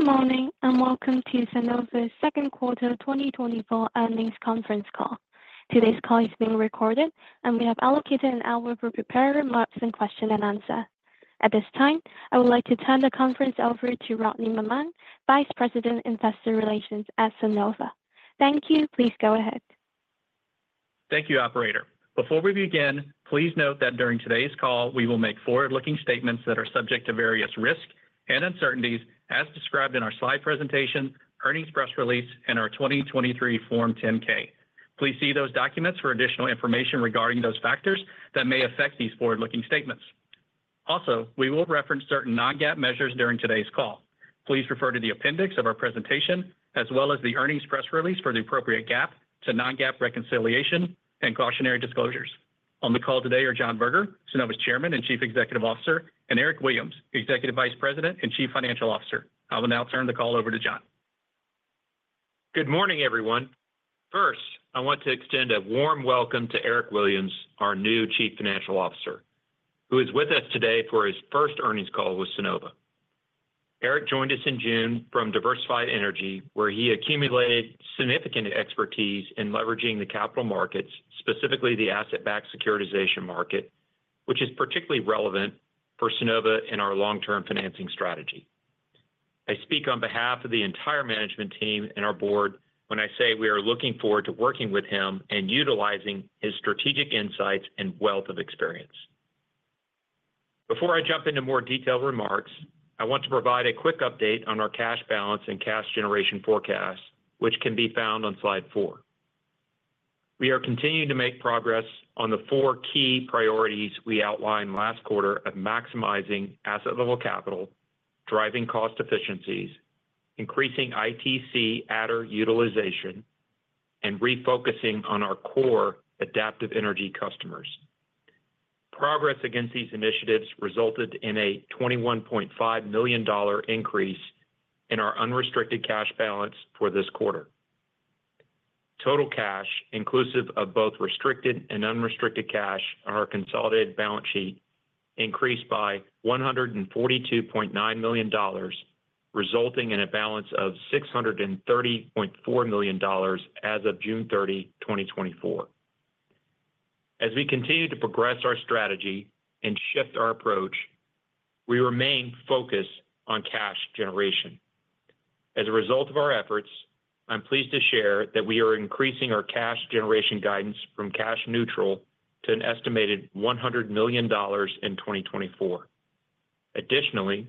Good morning and welcome to Sunnova's second quarter 2024 earnings conference call. Today's call is being recorded, and we have allocated an hour for prepared remarks and question and answer. At this time, I would like to turn the conference over to Rodney McMahan, Vice President, Investor Relations at Sunnova. Thank you. Please go ahead. Thank you, Operator. Before we begin, please note that during today's call, we will make forward-looking statements that are subject to various risks and uncertainties, as described in our slide presentation, earnings press release, and our 2023 Form 10-K. Please see those documents for additional information regarding those factors that may affect these forward-looking statements. Also, we will reference certain non-GAAP measures during today's call. Please refer to the appendix of our presentation, as well as the earnings press release for the appropriate GAAP to non-GAAP reconciliation and cautionary disclosures. On the call today are John Berger, Sunnova's Chairman and Chief Executive Officer, and Eric Williams, Executive Vice President and Chief Financial Officer. I will now turn the call over to John. Good morning, everyone. First, I want to extend a warm welcome to Eric Williams, our new Chief Financial Officer, who is with us today for his first earnings call with Sunnova. Eric joined us in June from Diversified Energy, where he accumulated significant expertise in leveraging the capital markets, specifically the asset-backed securitization market, which is particularly relevant for Sunnova in our long-term financing strategy. I speak on behalf of the entire management team and our board when I say we are looking forward to working with him and utilizing his strategic insights and wealth of experience. Before I jump into more detailed remarks, I want to provide a quick update on our cash balance and cash generation forecast, which can be found on Slide 4. We are continuing to make progress on the four key priorities we outlined last quarter of maximizing asset-level capital, driving cost efficiencies, increasing ITC adder utilization, and refocusing on our core adaptive energy customers. Progress against these initiatives resulted in a $21.5 million increase in our unrestricted cash balance for this quarter. Total cash, inclusive of both restricted and unrestricted cash on our consolidated balance sheet, increased by $142.9 million, resulting in a balance of $630.4 million as of June 30, 2024. As we continue to progress our strategy and shift our approach, we remain focused on cash generation. As a result of our efforts, I'm pleased to share that we are increasing our cash generation guidance from cash neutral to an estimated $100 million in 2024. Additionally,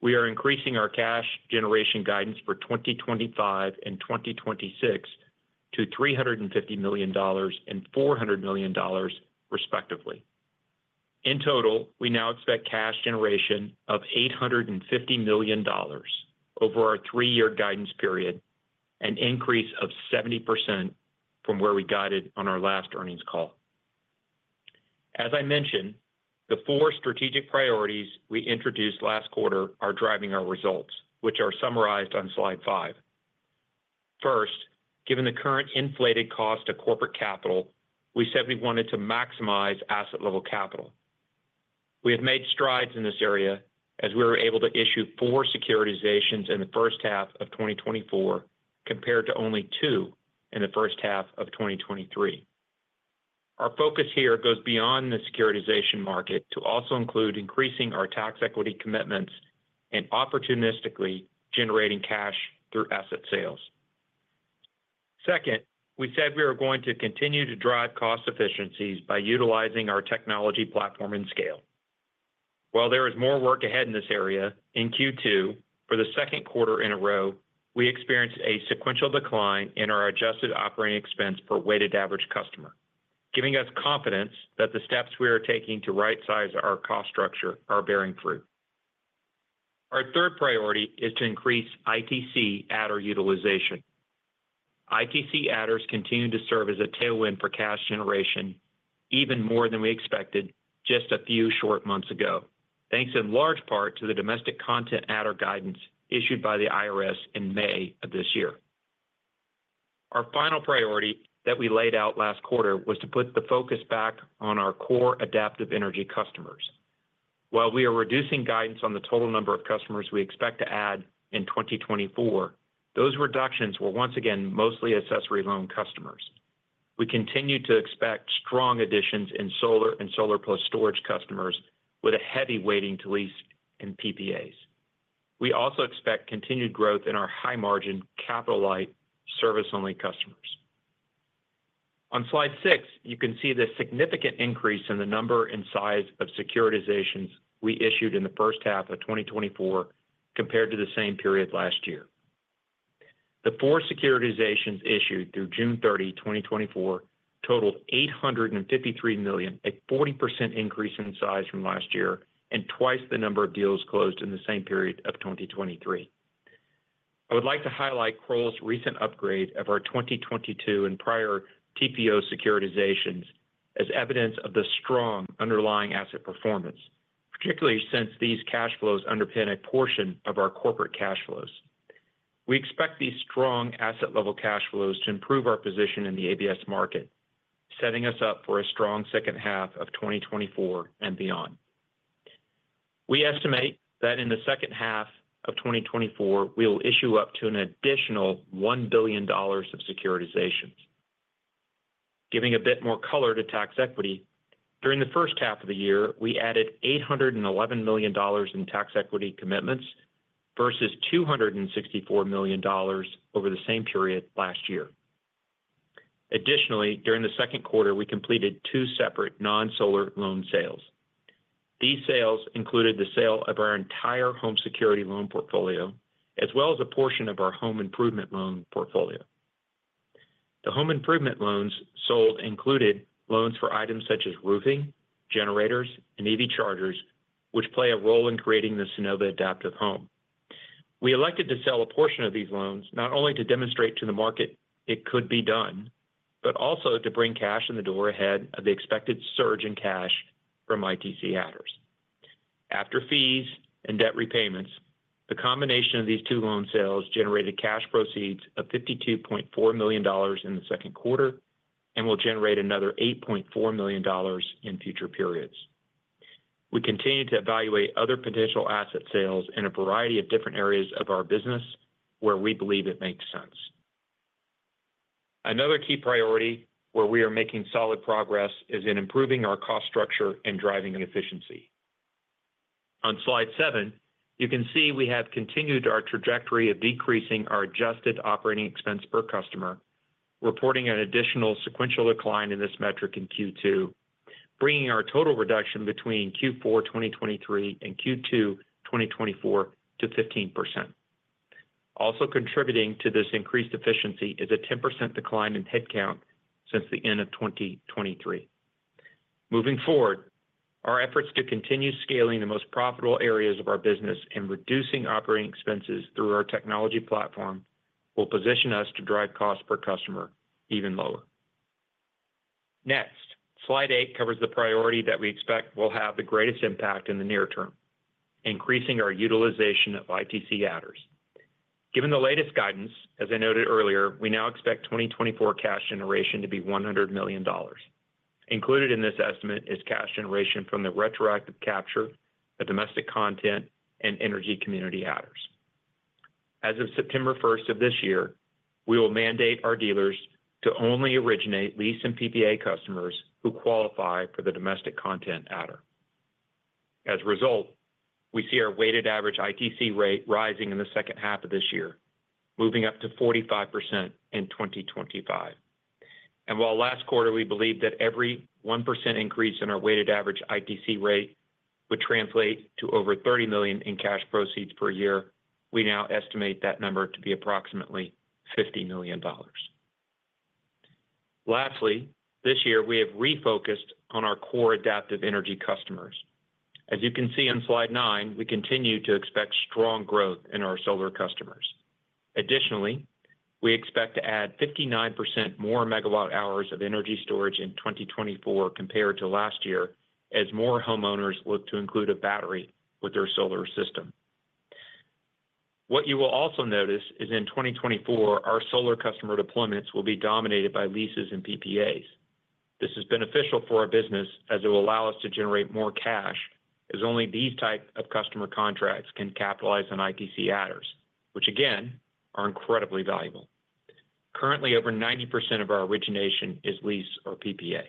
we are increasing our cash generation guidance for 2025 and 2026 to $350 million and $400 million, respectively. In total, we now expect cash generation of $850 million over our three-year guidance period, an increase of 70% from where we guided on our last earnings call. As I mentioned, the four strategic priorities we introduced last quarter are driving our results, which are summarized on Slide 5. First, given the current inflated cost of corporate capital, we said we wanted to maximize asset-level capital. We have made strides in this area as we were able to issue four securitizations in the first half of 2024 compared to only two in the first half of 2023. Our focus here goes beyond the securitization market to also include increasing our tax equity commitments and opportunistically generating cash through asset sales. Second, we said we are going to continue to drive cost efficiencies by utilizing our technology platform and scale. While there is more work ahead in this area, in Q2, for the second quarter in a row, we experienced a sequential decline in our adjusted operating expense per weighted average customer, giving us confidence that the steps we are taking to right-size our cost structure are bearing fruit. Our third priority is to increase ITC adder utilization. ITC adders continue to serve as a tailwind for cash generation, even more than we expected just a few short months ago, thanks in large part to the domestic content adder guidance issued by the IRS in May of this year. Our final priority that we laid out last quarter was to put the focus back on our core adaptive energy customers. While we are reducing guidance on the total number of customers we expect to add in 2024, those reductions were once again mostly accessory loan customers. We continue to expect strong additions in solar and solar-plus storage customers with a heavy weighting to lease and PPAs. We also expect continued growth in our high-margin capital-light service-only customers. On Slide 6, you can see the significant increase in the number and size of securitizations we issued in the first half of 2024 compared to the same period last year. The four securitizations issued through June 30, 2024, totaled $853 million, a 40% increase in size from last year and twice the number of deals closed in the same period of 2023. I would like to highlight Kroll's recent upgrade of our 2022 and prior TPO securitizations as evidence of the strong underlying asset performance, particularly since these cash flows underpin a portion of our corporate cash flows. We expect these strong asset-level cash flows to improve our position in the ABS market, setting us up for a strong second half of 2024 and beyond. We estimate that in the second half of 2024, we will issue up to an additional $1 billion of securitizations. Giving a bit more color to tax equity, during the first half of the year, we added $811 million in tax equity commitments versus $264 million over the same period last year. Additionally, during the second quarter, we completed two separate non-solar loan sales. These sales included the sale of our entire home security loan portfolio, as well as a portion of our home improvement loan portfolio. The home improvement loans sold included loans for items such as roofing, generators, and EV chargers, which play a role in creating the Sunnova Adaptive Home. We elected to sell a portion of these loans not only to demonstrate to the market it could be done, but also to bring cash in the door ahead of the expected surge in cash from ITC adders. After fees and debt repayments, the combination of these two loan sales generated cash proceeds of $52.4 million in the second quarter and will generate another $8.4 million in future periods. We continue to evaluate other potential asset sales in a variety of different areas of our business where we believe it makes sense. Another key priority where we are making solid progress is in improving our cost structure and driving efficiency. On Slide 7, you can see we have continued our trajectory of decreasing our adjusted operating expense per customer, reporting an additional sequential decline in this metric in Q2, bringing our total reduction between Q4 2023 and Q2 2024 to 15%. Also contributing to this increased efficiency is a 10% decline in headcount since the end of 2023. Moving forward, our efforts to continue scaling the most profitable areas of our business and reducing operating expenses through our technology platform will position us to drive cost per customer even lower. Next, Slide 8 covers the priority that we expect will have the greatest impact in the near term: increasing our utilization of ITC adders. Given the latest guidance, as I noted earlier, we now expect 2024 cash generation to be $100 million. Included in this estimate is cash generation from the retroactive capture of domestic content and energy community adders. As of September 1st of this year, we will mandate our dealers to only originate lease and PPA customers who qualify for the domestic content adder. As a result, we see our weighted average ITC rate rising in the second half of this year, moving up to 45% in 2025. While last quarter we believed that every 1% increase in our weighted average ITC rate would translate to over $30 million in cash proceeds per year, we now estimate that number to be approximately $50 million. Lastly, this year, we have refocused on our core adaptive energy customers. As you can see on Slide 9, we continue to expect strong growth in our solar customers. Additionally, we expect to add 59% more megawatt-hours of energy storage in 2024 compared to last year as more homeowners look to include a battery with their solar system. What you will also notice is in 2024, our solar customer deployments will be dominated by leases and PPAs. This is beneficial for our business as it will allow us to generate more cash, as only these types of customer contracts can capitalize on ITC adders, which again are incredibly valuable. Currently, over 90% of our origination is lease or PPA.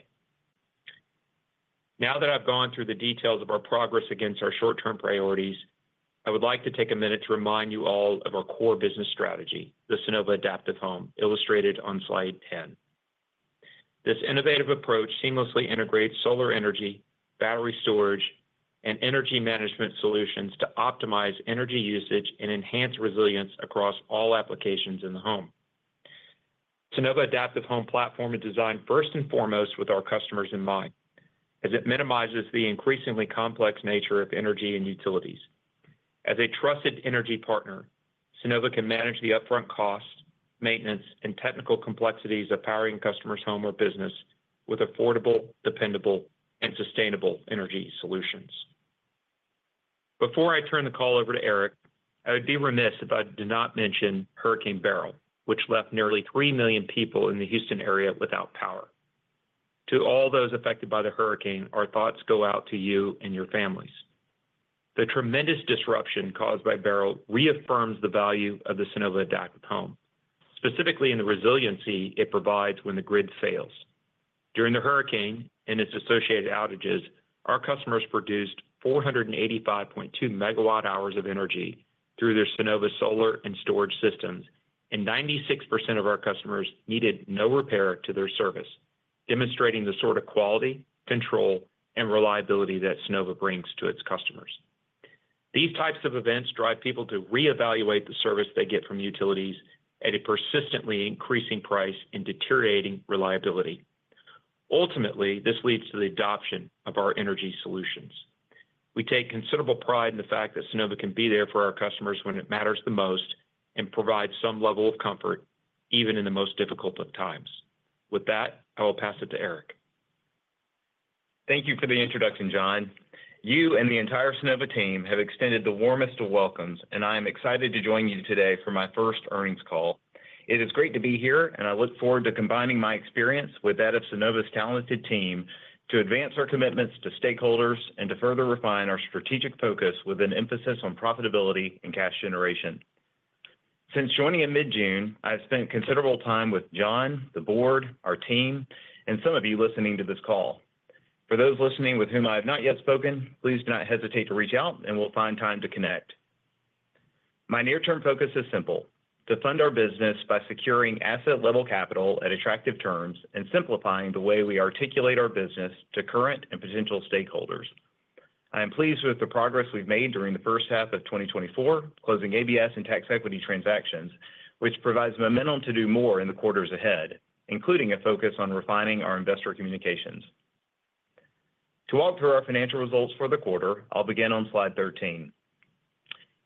Now that I've gone through the details of our progress against our short-term priorities, I would like to take a minute to remind you all of our core business strategy, the Sunnova Adaptive Home, illustrated on Slide 10. This innovative approach seamlessly integrates solar energy, battery storage, and energy management solutions to optimize energy usage and enhance resilience across all applications in the home. Sunnova Adaptive Home platform is designed first and foremost with our customers in mind, as it minimizes the increasingly complex nature of energy and utilities. As a trusted energy partner, Sunnova can manage the upfront cost, maintenance, and technical complexities of powering customers' home or business with affordable, dependable, and sustainable energy solutions. Before I turn the call over to Eric, I would be remiss if I did not mention Hurricane Beryl, which left nearly 3 million people in the Houston area without power. To all those affected by the hurricane, our thoughts go out to you and your families. The tremendous disruption caused by Beryl reaffirms the value of the Sunnova Adaptive Home, specifically in the resiliency it provides when the grid fails. During the hurricane and its associated outages, our customers produced 485.2 megawatt-hours of energy through their Sunnova solar and storage systems, and 96% of our customers needed no repair to their service, demonstrating the sort of quality, control, and reliability that Sunnova brings to its customers. These types of events drive people to reevaluate the service they get from utilities at a persistently increasing price and deteriorating reliability. Ultimately, this leads to the adoption of our energy solutions. We take considerable pride in the fact that Sunnova can be there for our customers when it matters the most and provide some level of comfort even in the most difficult of times. With that, I will pass it to Eric. Thank you for the introduction, John. You and the entire Sunnova team have extended the warmest of welcomes, and I am excited to join you today for my first earnings call. It is great to be here, and I look forward to combining my experience with that of Sunnova's talented team to advance our commitments to stakeholders and to further refine our strategic focus with an emphasis on profitability and cash generation. Since joining in mid-June, I have spent considerable time with John, the board, our team, and some of you listening to this call. For those listening with whom I have not yet spoken, please do not hesitate to reach out, and we'll find time to connect. My near-term focus is simple: to fund our business by securing asset-level capital at attractive terms and simplifying the way we articulate our business to current and potential stakeholders. I am pleased with the progress we've made during the first half of 2024, closing ABS and tax equity transactions, which provides momentum to do more in the quarters ahead, including a focus on refining our investor communications. To walk through our financial results for the quarter, I'll begin on Slide 13.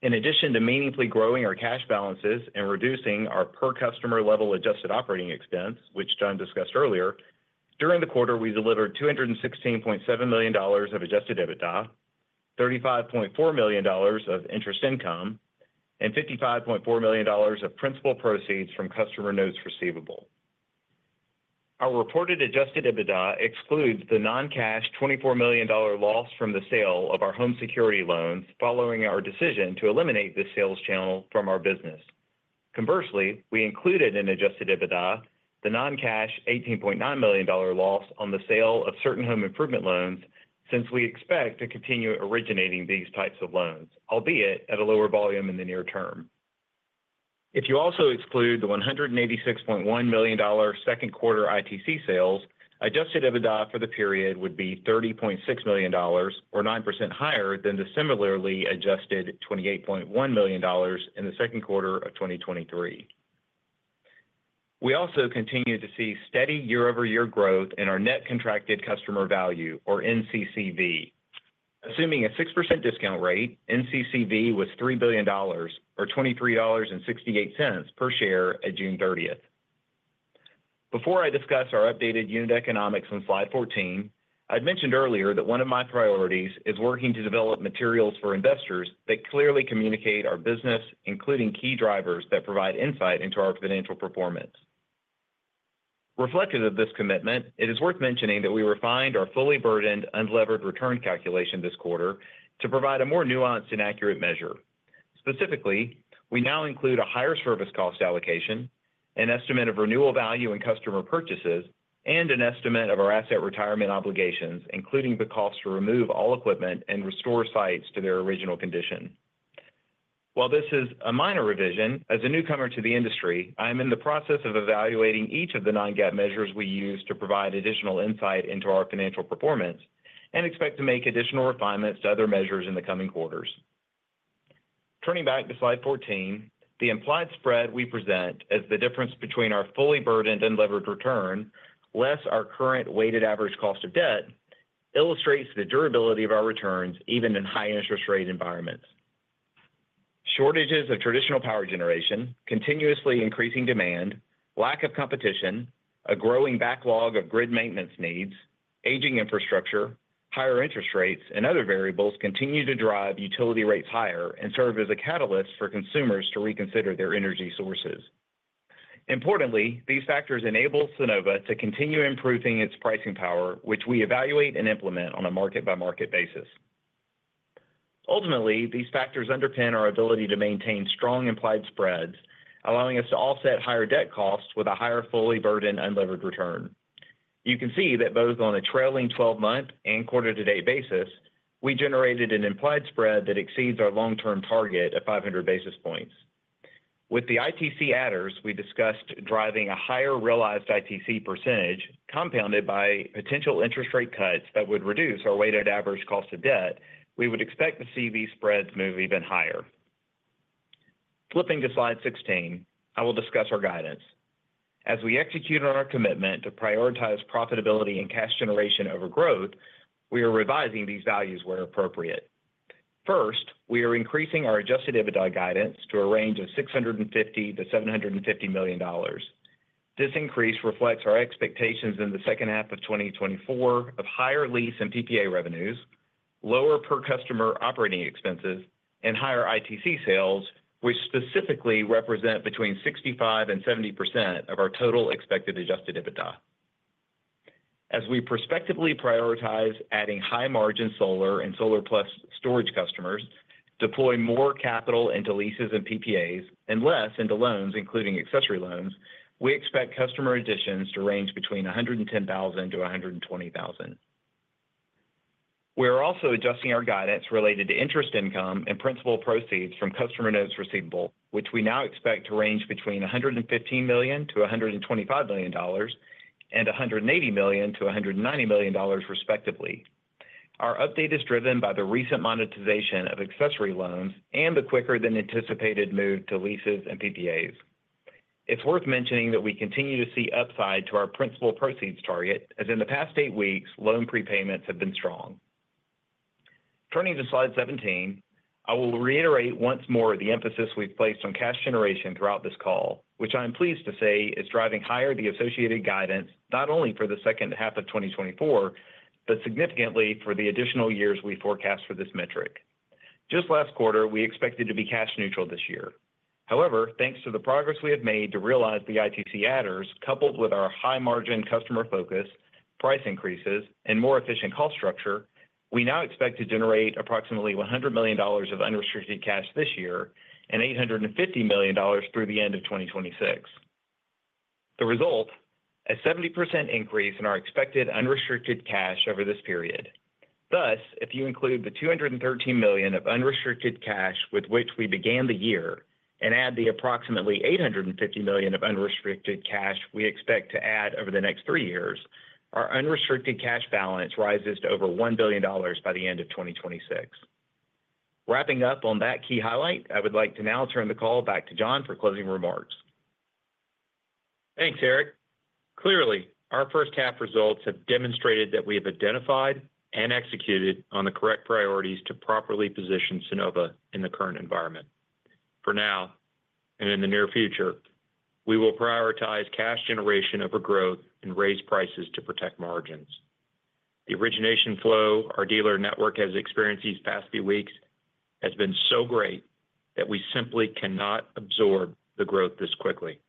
In addition to meaningfully growing our cash balances and reducing our per-customer-level adjusted operating expense, which John discussed earlier, during the quarter, we delivered $216.7 million of Adjusted EBITDA, $35.4 million of interest income, and $55.4 million of principal proceeds from customer notes receivable. Our reported Adjusted EBITDA excludes the non-cash $24 million loss from the sale of our home security loans following our decision to eliminate the sales channel from our business. Conversely, we included in Adjusted EBITDA the non-cash $18.9 million loss on the sale of certain home improvement loans since we expect to continue originating these types of loans, albeit at a lower volume in the near term. If you also exclude the $186.1 million second-quarter ITC sales, Adjusted EBITDA for the period would be $30.6 million, or 9% higher than the similarly adjusted $28.1 million in the second quarter of 2023. We also continue to see steady year-over-year growth in our net contracted customer value, or NCCV. Assuming a 6% discount rate, NCCV was $3 billion, or $23.68 per share at June 30th. Before I discuss our updated unit economics on Slide 14, I'd mentioned earlier that one of my priorities is working to develop materials for investors that clearly communicate our business, including key drivers that provide insight into our financial performance. Reflective of this commitment, it is worth mentioning that we refined our fully burdened unlevered return calculation this quarter to provide a more nuanced and accurate measure. Specifically, we now include a higher service cost allocation, an estimate of renewal value and customer purchases, and an estimate of our asset retirement obligations, including the cost to remove all equipment and restore sites to their original condition. While this is a minor revision, as a newcomer to the industry, I am in the process of evaluating each of the nine GAAP measures we use to provide additional insight into our financial performance and expect to make additional refinements to other measures in the coming quarters. Turning back to Slide 14, the implied spread we present as the difference between our fully burdened unlevered return less our current weighted average cost of debt illustrates the durability of our returns even in high-interest rate environments. Shortages of traditional power generation, continuously increasing demand, lack of competition, a growing backlog of grid maintenance needs, aging infrastructure, higher interest rates, and other variables continue to drive utility rates higher and serve as a catalyst for consumers to reconsider their energy sources. Importantly, these factors enable Sunnova to continue improving its pricing power, which we evaluate and implement on a market-by-market basis. Ultimately, these factors underpin our ability to maintain strong implied spreads, allowing us to offset higher debt costs with a higher fully burdened unlevered return. You can see that both on a trailing 12-month and quarter-to-date basis, we generated an implied spread that exceeds our long-term target of 500 basis points. With the ITC adders, we discussed driving a higher realized ITC percentage compounded by potential interest rate cuts that would reduce our weighted average cost of debt. We would expect to see these spreads move even higher. Flipping to Slide 16, I will discuss our guidance. As we execute on our commitment to prioritize profitability and cash generation over growth, we are revising these values where appropriate. First, we are increasing our Adjusted EBITDA guidance to a range of $650-$750 million. This increase reflects our expectations in the second half of 2024 of higher lease and PPA revenues, lower per-customer operating expenses, and higher ITC sales, which specifically represent between 65%-70% of our total expected Adjusted EBITDA. As we prospectively prioritize adding high-margin solar and solar-plus storage customers, deploy more capital into leases and PPAs, and less into loans, including accessory loans, we expect customer additions to range between $110,000-$120,000. We are also adjusting our guidance related to interest income and principal proceeds from customer notes receivable, which we now expect to range between $115 million-$125 million and $180 million-$190 million, respectively. Our update is driven by the recent monetization of accessory loans and the quicker-than-anticipated move to leases and PPAs. It's worth mentioning that we continue to see upside to our principal proceeds target, as in the past 8 weeks, loan prepayments have been strong. Turning to Slide 17, I will reiterate once more the emphasis we've placed on cash generation throughout this call, which I'm pleased to say is driving higher the associated guidance not only for the second half of 2024, but significantly for the additional years we forecast for this metric. Just last quarter, we expected to be cash-neutral this year. However, thanks to the progress we have made to realize the ITC adders, coupled with our high-margin customer focus, price increases, and more efficient cost structure, we now expect to generate approximately $100 million of unrestricted cash this year and $850 million through the end of 2026. The result: a 70% increase in our expected unrestricted cash over this period. Thus, if you include the $213 million of unrestricted cash with which we began the year and add the approximately $850 million of unrestricted cash we expect to add over the next three years, our unrestricted cash balance rises to over $1 billion by the end of 2026. Wrapping up on that key highlight, I would like to now turn the call back to John for closing remarks. Thanks, Eric. Clearly, our first-half results have demonstrated that we have identified and executed on the correct priorities to properly position Sunnova in the current environment. For now, and in the near future, we will prioritize cash generation over growth and raise prices to protect margins. The origination flow our dealer network has experienced these past few weeks has been so great that we simply cannot absorb the growth this quickly.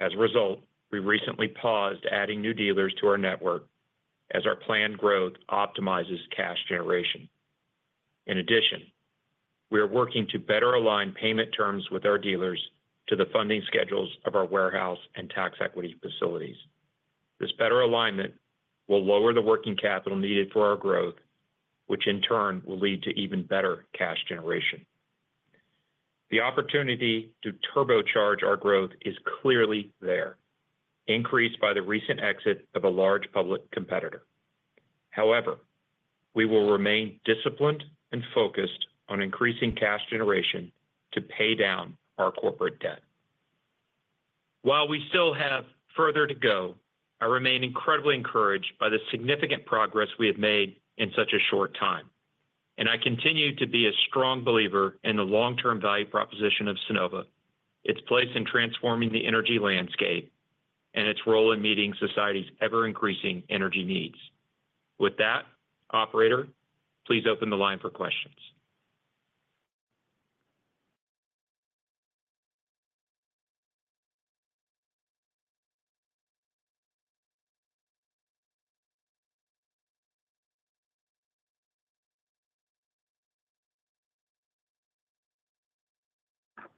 As a result, we recently paused adding new dealers to our network as our planned growth optimizes cash generation. In addition, we are working to better align payment terms with our dealers to the funding schedules of our warehouse and tax equity facilities. This better alignment will lower the working capital needed for our growth, which in turn will lead to even better cash generation. The opportunity to turbocharge our growth is clearly there, increased by the recent exit of a large public competitor. However, we will remain disciplined and focused on increasing cash generation to pay down our corporate debt. While we still have further to go, I remain incredibly encouraged by the significant progress we have made in such a short time. I continue to be a strong believer in the long-term value proposition of Sunnova, its place in transforming the energy landscape, and its role in meeting society's ever-increasing energy needs. With that, Operator, please open the line for questions.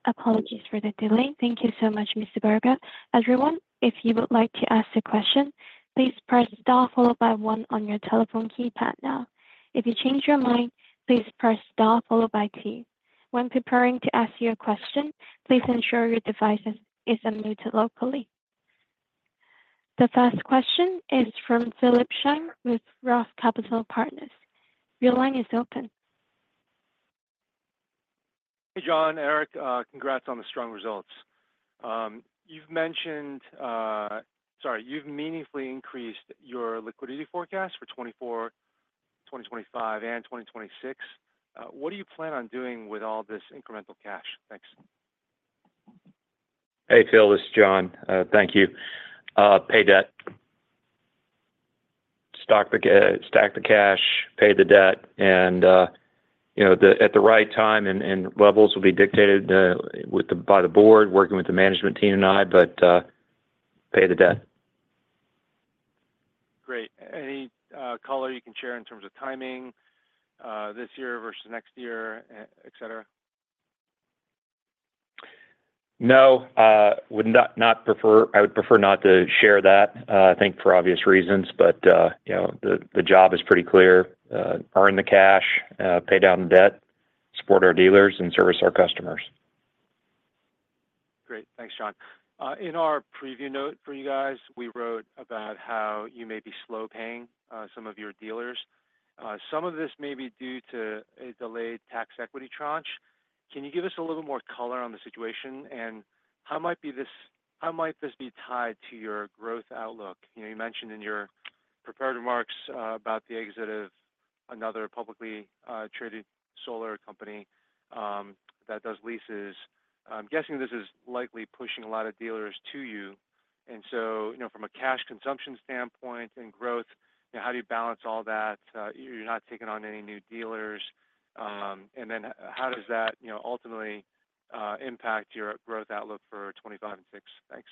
Apologies for the delay. Thank you so much, Mr. Berger. Everyone, if you would like to ask a question, please press star followed by one on your telephone keypad now. If you change your mind, please press star followed by two. When preparing to ask your question, please ensure your device is unmuted locally. The first question is from Philip Shen with Roth Capital Partners. Your line is open. Hey, John, Eric, congrats on the strong results. You've mentioned, sorry, you've meaningfully increased your liquidity forecast for 2024, 2025, and 2026. What do you plan on doing with all this incremental cash? Thanks. Hey, Phil, this is John. Thank you. Pay debt. Stack the cash, pay the debt, and at the right time, and levels will be dictated by the board, working with the management team and I, but pay the debt. Great. Any color you can share in terms of timing this year versus next year, etc.? No, I would prefer not to share that, I think, for obvious reasons, but the job is pretty clear: earn the cash, pay down the debt, support our dealers, and service our customers. Great. Thanks, John. In our preview note for you guys, we wrote about how you may be slow paying some of your dealers. Some of this may be due to a delayed tax equity tranche. Can you give us a little more color on the situation, and how might this be tied to your growth outlook? You mentioned in your prepared remarks about the exit of another publicly traded solar company that does leases. I'm guessing this is likely pushing a lot of dealers to you. And so, from a cash consumption standpoint and growth, how do you balance all that? You're not taking on any new dealers. And then how does that ultimately impact your growth outlook for 2025 and 2026? Thanks.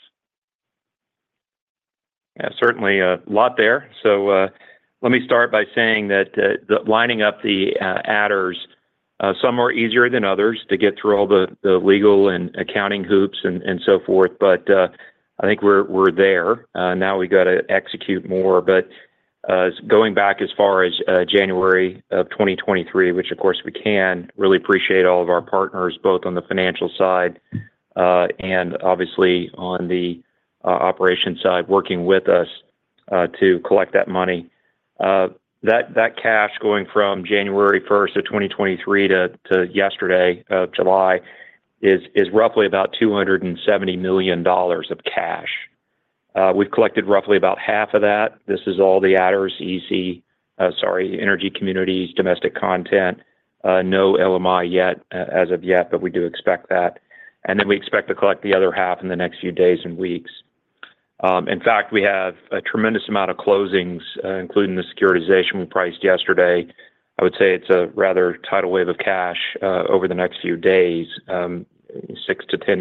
Yeah, certainly a lot there. So let me start by saying that lining up the adders, some are easier than others to get through all the legal and accounting hoops and so forth, but I think we're there. Now we've got to execute more. But going back as far as January of 2023, which, of course, we can, really appreciate all of our partners, both on the financial side and, obviously, on the operation side, working with us to collect that money. That cash going from January 1st of 2023 to yesterday of July is roughly about $270 million of cash. We've collected roughly about half of that. This is all the adders, EC—sorry—energy communities, domestic content. No LMI yet as of yet, but we do expect that. Then we expect to collect the other half in the next few days and weeks. In fact, we have a tremendous amount of closings, including the securitization we priced yesterday. I would say it's a rather tidal wave of cash over the next few days, 6-10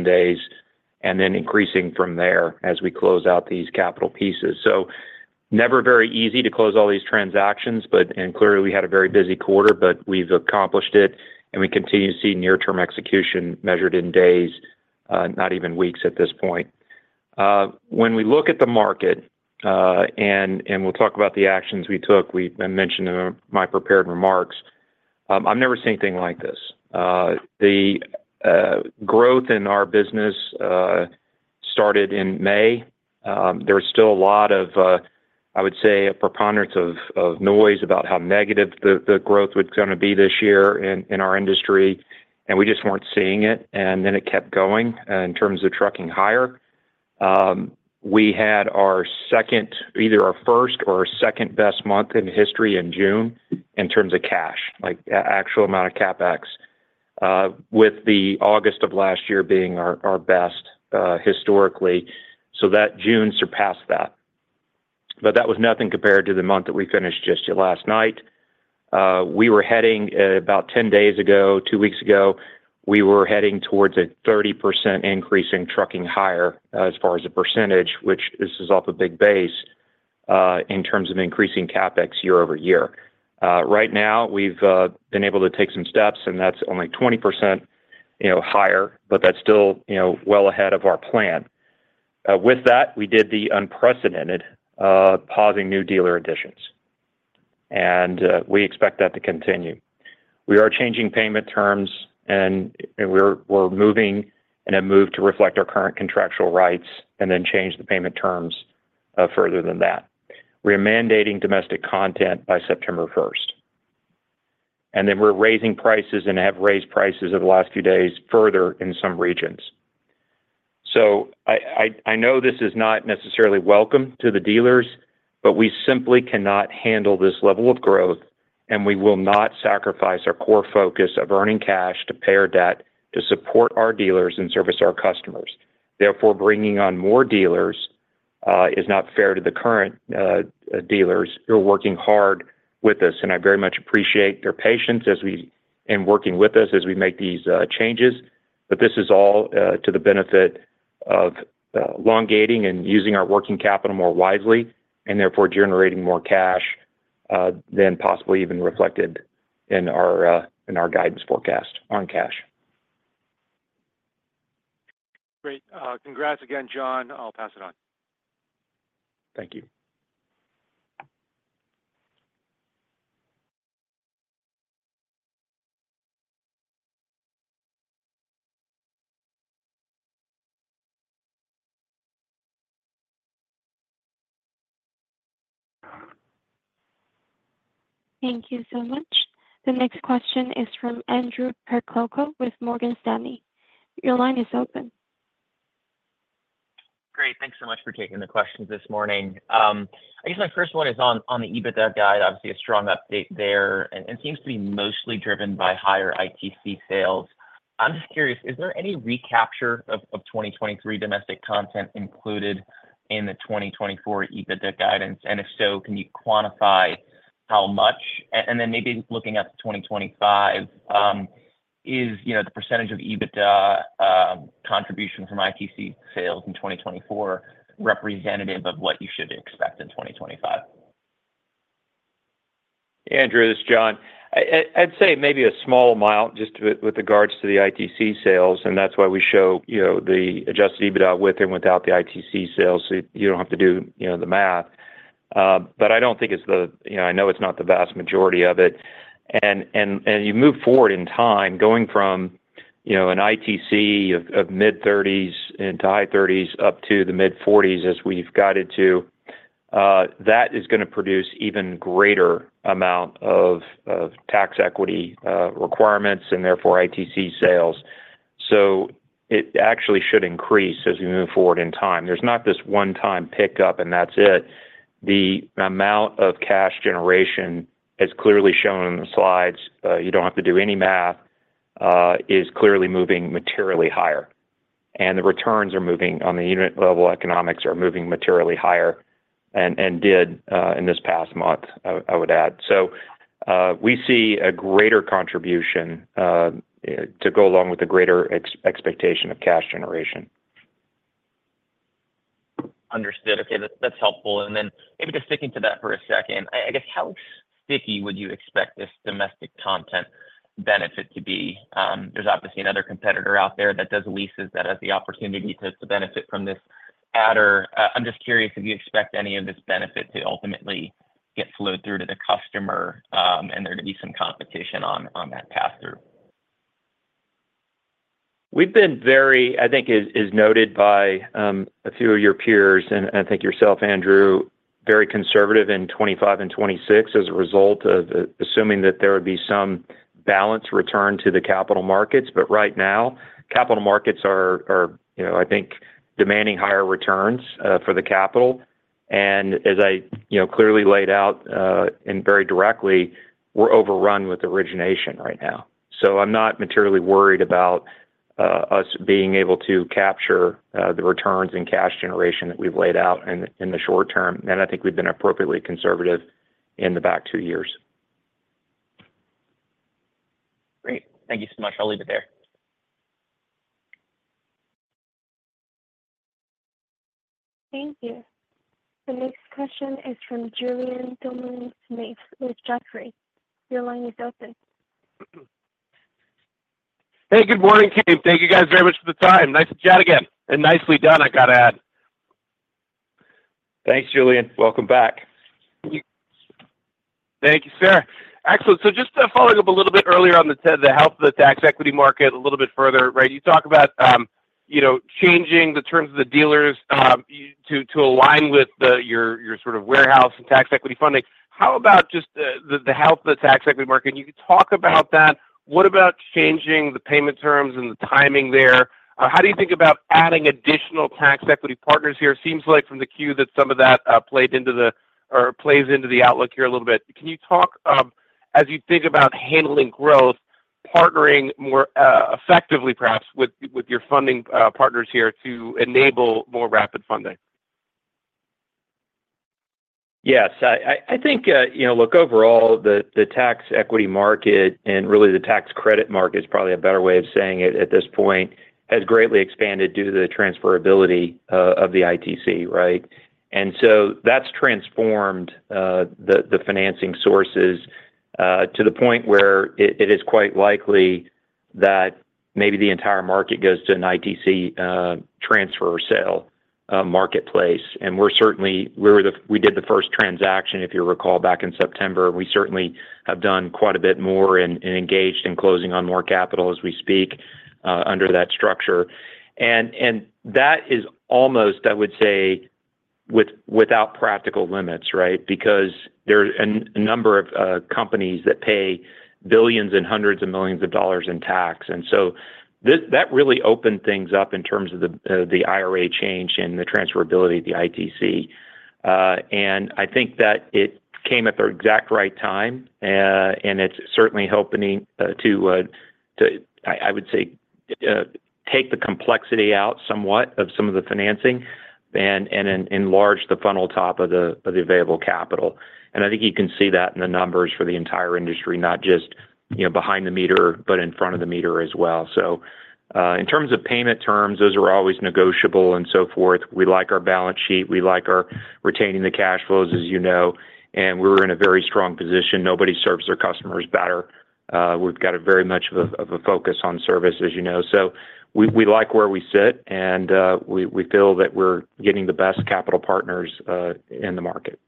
days, and then increasing from there as we close out these capital pieces. So never very easy to close all these transactions, and clearly, we had a very busy quarter, but we've accomplished it, and we continue to see near-term execution measured in days, not even weeks at this point. When we look at the market, and we'll talk about the actions we took, I mentioned in my prepared remarks, I've never seen anything like this. The growth in our business started in May. There was still a lot of, I would say, a preponderance of noise about how negative the growth was going to be this year in our industry, and we just weren't seeing it. And then it kept going in terms of trucking higher. We had either our first or our second-best month in history in June in terms of cash, actual amount of CapEx, with the August of last year being our best historically. So that June surpassed that. But that was nothing compared to the month that we finished just last night. We were heading about 10 days ago, two weeks ago, we were heading towards a 30% increase in tracking higher as far as a percentage, which this is off a big base in terms of increasing CapEx year-over-year. Right now, we've been able to take some steps, and that's only 20% higher, but that's still well ahead of our plan. With that, we did the unprecedented pausing new dealer additions, and we expect that to continue. We are changing payment terms, and we're moving in a move to reflect our current contractual rights and then change the payment terms further than that. We are mandating Domestic Content by September 1st. Then we're raising prices and have raised prices over the last few days further in some regions. So I know this is not necessarily welcome to the dealers, but we simply cannot handle this level of growth, and we will not sacrifice our core focus of earning cash to pay our debt to support our dealers and service our customers. Therefore, bringing on more dealers is not fair to the current dealers. You're working hard with us, and I very much appreciate their patience in working with us as we make these changes. But this is all to the benefit of elongating and using our working capital more widely and therefore generating more cash than possibly even reflected in our guidance forecast on cash. Great. Congrats again, John. I'll pass it on. Thank you. Thank you so much. The next question is from Andrew Percoco with Morgan Stanley. Your line is open. Great. Thanks so much for taking the questions this morning. I guess my first one is on the EBITDA guide, obviously a strong update there, and seems to be mostly driven by higher ITC sales. I'm just curious, is there any recapture of 2023 domestic content included in the 2024 EBITDA guidance? And if so, can you quantify how much? And then maybe looking at 2025, is the percentage of EBITDA contribution from ITC sales in 2024 representative of what you should expect in 2025? Andrew, this is John. I'd say maybe a small amount just with regards to the ITC sales, and that's why we show the Adjusted EBITDA with and without the ITC sales, so you don't have to do the math. But I don't think it's the, I know it's not the vast majority of it. And you move forward in time, going from an ITC of mid-30s into high-30s up to the mid-40s, as we've guided to, that is going to produce an even greater amount of tax equity requirements and therefore ITC sales. So it actually should increase as we move forward in time. There's not this one-time pickup and that's it. The amount of cash generation, as clearly shown in the slides, you don't have to do any math, is clearly moving materially higher. And the returns are moving on the unit-level economics are moving materially higher and did in this past month, I would add. So we see a greater contribution to go along with a greater expectation of cash generation. Understood. Okay. That's helpful. And then maybe just sticking to that for a second, I guess, how sticky would you expect this domestic content benefit to be? There's obviously another competitor out there that does leases that has the opportunity to benefit from this adder. I'm just curious if you expect any of this benefit to ultimately get flowed through to the customer and there to be some competition on that pass-through. We've been very, I think is noted by a few of your peers, and I think yourself, Andrew, very conservative in 2025 and 2026 as a result of assuming that there would be some balance return to the capital markets. But right now, capital markets are, I think, demanding higher returns for the capital. And as I clearly laid out and very directly, we're overrun with origination right now. So I'm not materially worried about us being able to capture the returns in cash generation that we've laid out in the short term. And I think we've been appropriately conservative in the back two years. Great. Thank you so much. I'll leave it there. Thank you. The next question is from Julien Dumoulin-Smith with Jefferies. Your line is open. Hey, good morning, team. Thank you guys very much for the time. Nice to chat again. And nicely done, I got to add. Thanks, Julien. Welcome back. Thank you, sir. Excellent. So just following up a little bit earlier on the health of the tax equity market a little bit further, right? You talk about changing the terms of the dealers to align with your sort of warehouse and tax equity funding. How about just the health of the tax equity market? And you could talk about that. What about changing the payment terms and the timing there? How do you think about adding additional tax equity partners here? It seems like from the queue that some of that played into the or plays into the outlook here a little bit. Can you talk, as you think about handling growth, partnering more effectively, perhaps, with your funding partners here to enable more rapid funding? Yes. I think, look, overall, the tax equity market and really the tax credit market is probably a better way of saying it at this point, has greatly expanded due to the transferability of the ITC, right? And so that's transformed the financing sources to the point where it is quite likely that maybe the entire market goes to an ITC transfer sale marketplace. And we did the first transaction, if you recall, back in September. We certainly have done quite a bit more and engaged in closing on more capital as we speak under that structure. That is almost, I would say, without practical limits, right? Because there are a number of companies that pay billions and hundreds of millions of dollars in tax. So that really opened things up in terms of the IRA change and the transferability of the ITC. I think that it came at the exact right time, and it's certainly helping to, I would say, take the complexity out somewhat of some of the financing and enlarge the funnel top of the available capital. I think you can see that in the numbers for the entire industry, not just behind the meter, but in front of the meter as well. So in terms of payment terms, those are always negotiable and so forth. We like our balance sheet. We like retaining the cash flows, as you know. We're in a very strong position. Nobody serves their customers better. We've got very much of a focus on service, as you know. So we like where we sit, and we feel that we're getting the best capital partners in the market.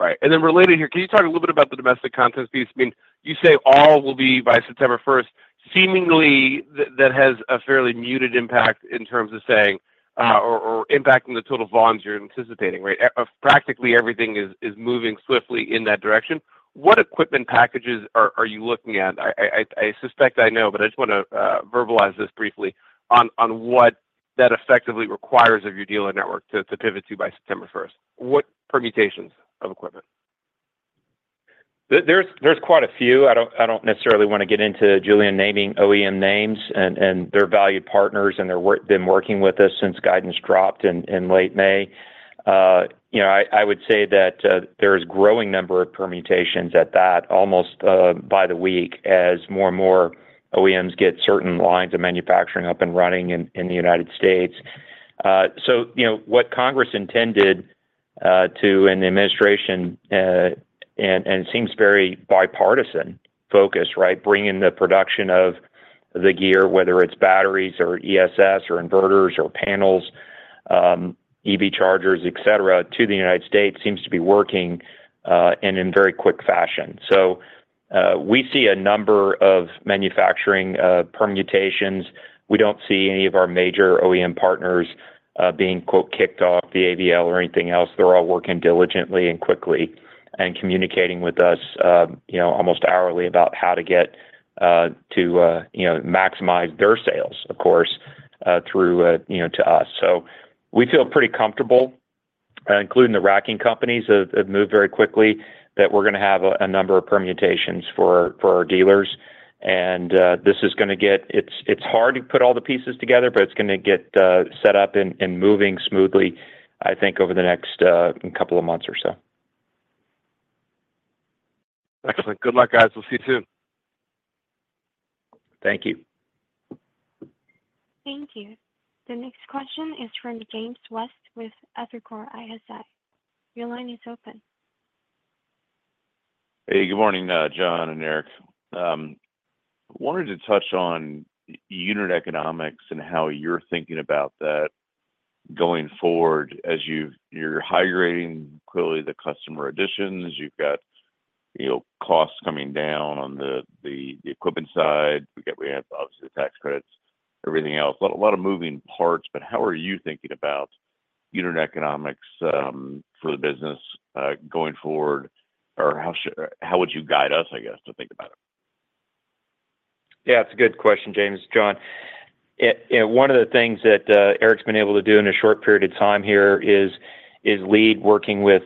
Right. And then related here, can you talk a little bit about the Domestic Content piece? I mean, you say all will be by September 1st. Seemingly, that has a fairly muted impact in terms of saying or impacting the total volumes you're anticipating, right? Practically, everything is moving swiftly in that direction. What equipment packages are you looking at? I suspect I know, but I just want to verbalize this briefly on what that effectively requires of your dealer network to pivot to by September 1st. What permutations of equipment? There's quite a few. I don't necessarily want to get into Julien naming OEM names and their valued partners and they've been working with us since guidance dropped in late May. I would say that there is a growing number of permutations to that almost by the week as more and more OEMs get certain lines of manufacturing up and running in the United States. So what Congress intended to, and the administration, and it seems very bipartisan focus, right, bringing the production of the gear, whether it's batteries or ESS or inverters or panels, EV chargers, etc., to the United States seems to be working in very quick fashion. So we see a number of manufacturing permutations. We don't see any of our major OEM partners being "kicked off the AVL" or anything else. They're all working diligently and quickly and communicating with us almost hourly about how to get to maximize their sales, of course, through to us. So we feel pretty comfortable, including the racking companies that have moved very quickly, that we're going to have a number of permutations for our dealers. And this is going to get. It's hard to put all the pieces together, but it's going to get set up and moving smoothly, I think, over the next couple of months or so. Excellent. Good luck, guys. We'll see you soon. Thank you. Thank you. The next question is from James West with Evercore ISI. Your line is open. Hey, good morning, John and Eric. I wanted to touch on unit economics and how you're thinking about that going forward as you're high grading clearly the customer additions. You've got costs coming down on the equipment side. We have obviously the tax credits, everything else. A lot of moving parts. But how are you thinking about unit economics for the business going forward? Or how would you guide us, I guess, to think about it? Yeah, it's a good question, James. John, one of the things that Eric's been able to do in a short period of time here is lead working with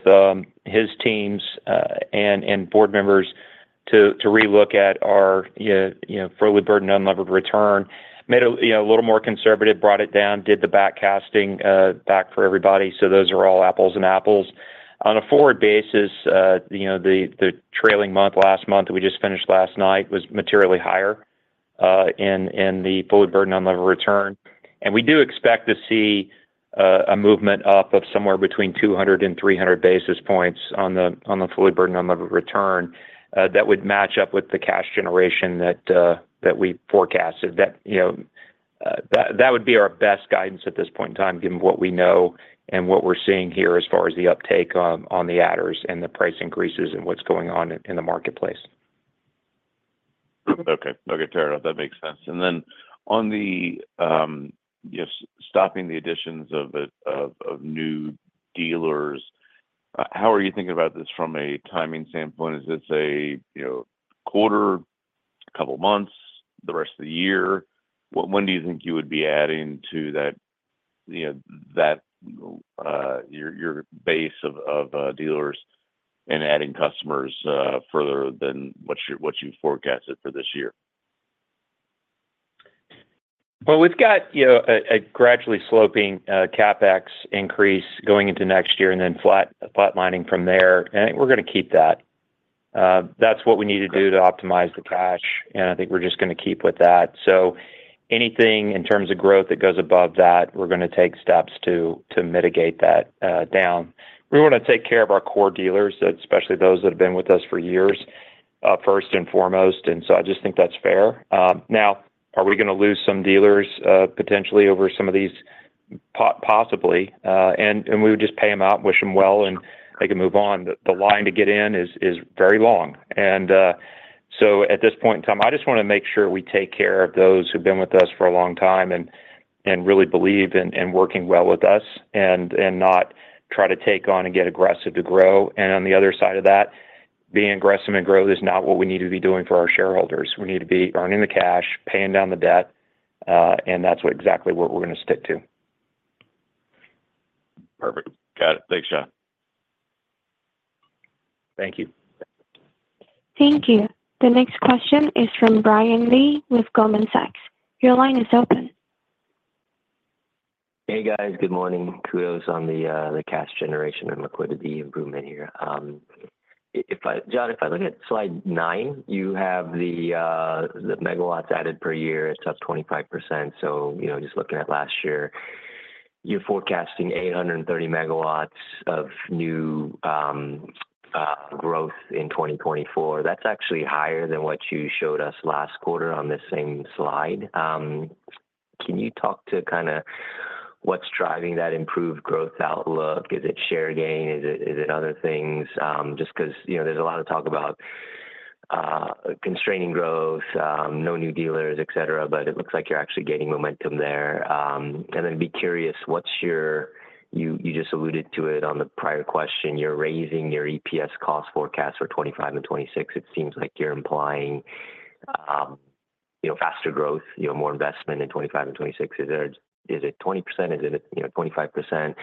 his teams and board members to relook at our fully burdened unlevered return, made it a little more conservative, brought it down, did the backcasting back for everybody. So those are all apples-to-apples. On a forward basis, the trailing month, last month that we just finished last night, was materially higher in the fully burdened unlevered return. And we do expect to see a movement up of somewhere between 200 and 300 basis points on the fully burdened unlevered return that would match up with the cash generation that we forecasted. That would be our best guidance at this point in time, given what we know and what we're seeing here as far as the uptake on the adders and the price increases and what's going on in the marketplace. Okay. Okay. Fair enough. That makes sense. And then on the stopping the additions of new dealers, how are you thinking about this from a timing standpoint? Is it say quarter, a couple of months, the rest of the year? When do you think you would be adding to that your base of dealers and adding customers further than what you forecasted for this year? Well, we've got a gradually sloping CapEx increase going into next year and then flatlining from there. And I think we're going to keep that. That's what we need to do to optimize the cash. And I think we're just going to keep with that. So anything in terms of growth that goes above that, we're going to take steps to mitigate that down. We want to take care of our core dealers, especially those that have been with us for years, first and foremost. And so I just think that's fair. Now, are we going to lose some dealers potentially over some of these possibly? And we would just pay them out, wish them well, and they can move on. The line to get in is very long. And so at this point in time, I just want to make sure we take care of those who've been with us for a long time and really believe in working well with us and not try to take on and get aggressive to grow. And on the other side of that, being aggressive and growth is not what we need to be doing for our shareholders. We need to be earning the cash, paying down the debt. And that's exactly what we're going to stick to. Perfect. Got it. Thanks, John. Thank you. Thank you. The next question is from Brian Lee with Goldman Sachs. Your line is open. Hey, guys. Good morning. Kudos on the cash generation and liquidity improvement here. John, if I look at Slide 9, you have the megawatts added per year. It's up 25%. So just looking at last year, you're forecasting 830 MW of new growth in 2024. That's actually higher than what you showed us last quarter on this same slide. Can you talk to kind of what's driving that improved growth outlook? Is it share gain? Is it other things? Just because there's a lot of talk about constraining growth, no new dealers, etc., but it looks like you're actually getting momentum there. And then be curious, you just alluded to it on the prior question. You're raising your EPS cost forecast for 2025 and 2026. It seems like you're implying faster growth, more investment in 2025 and 2026. Is it 20%? Is it 25%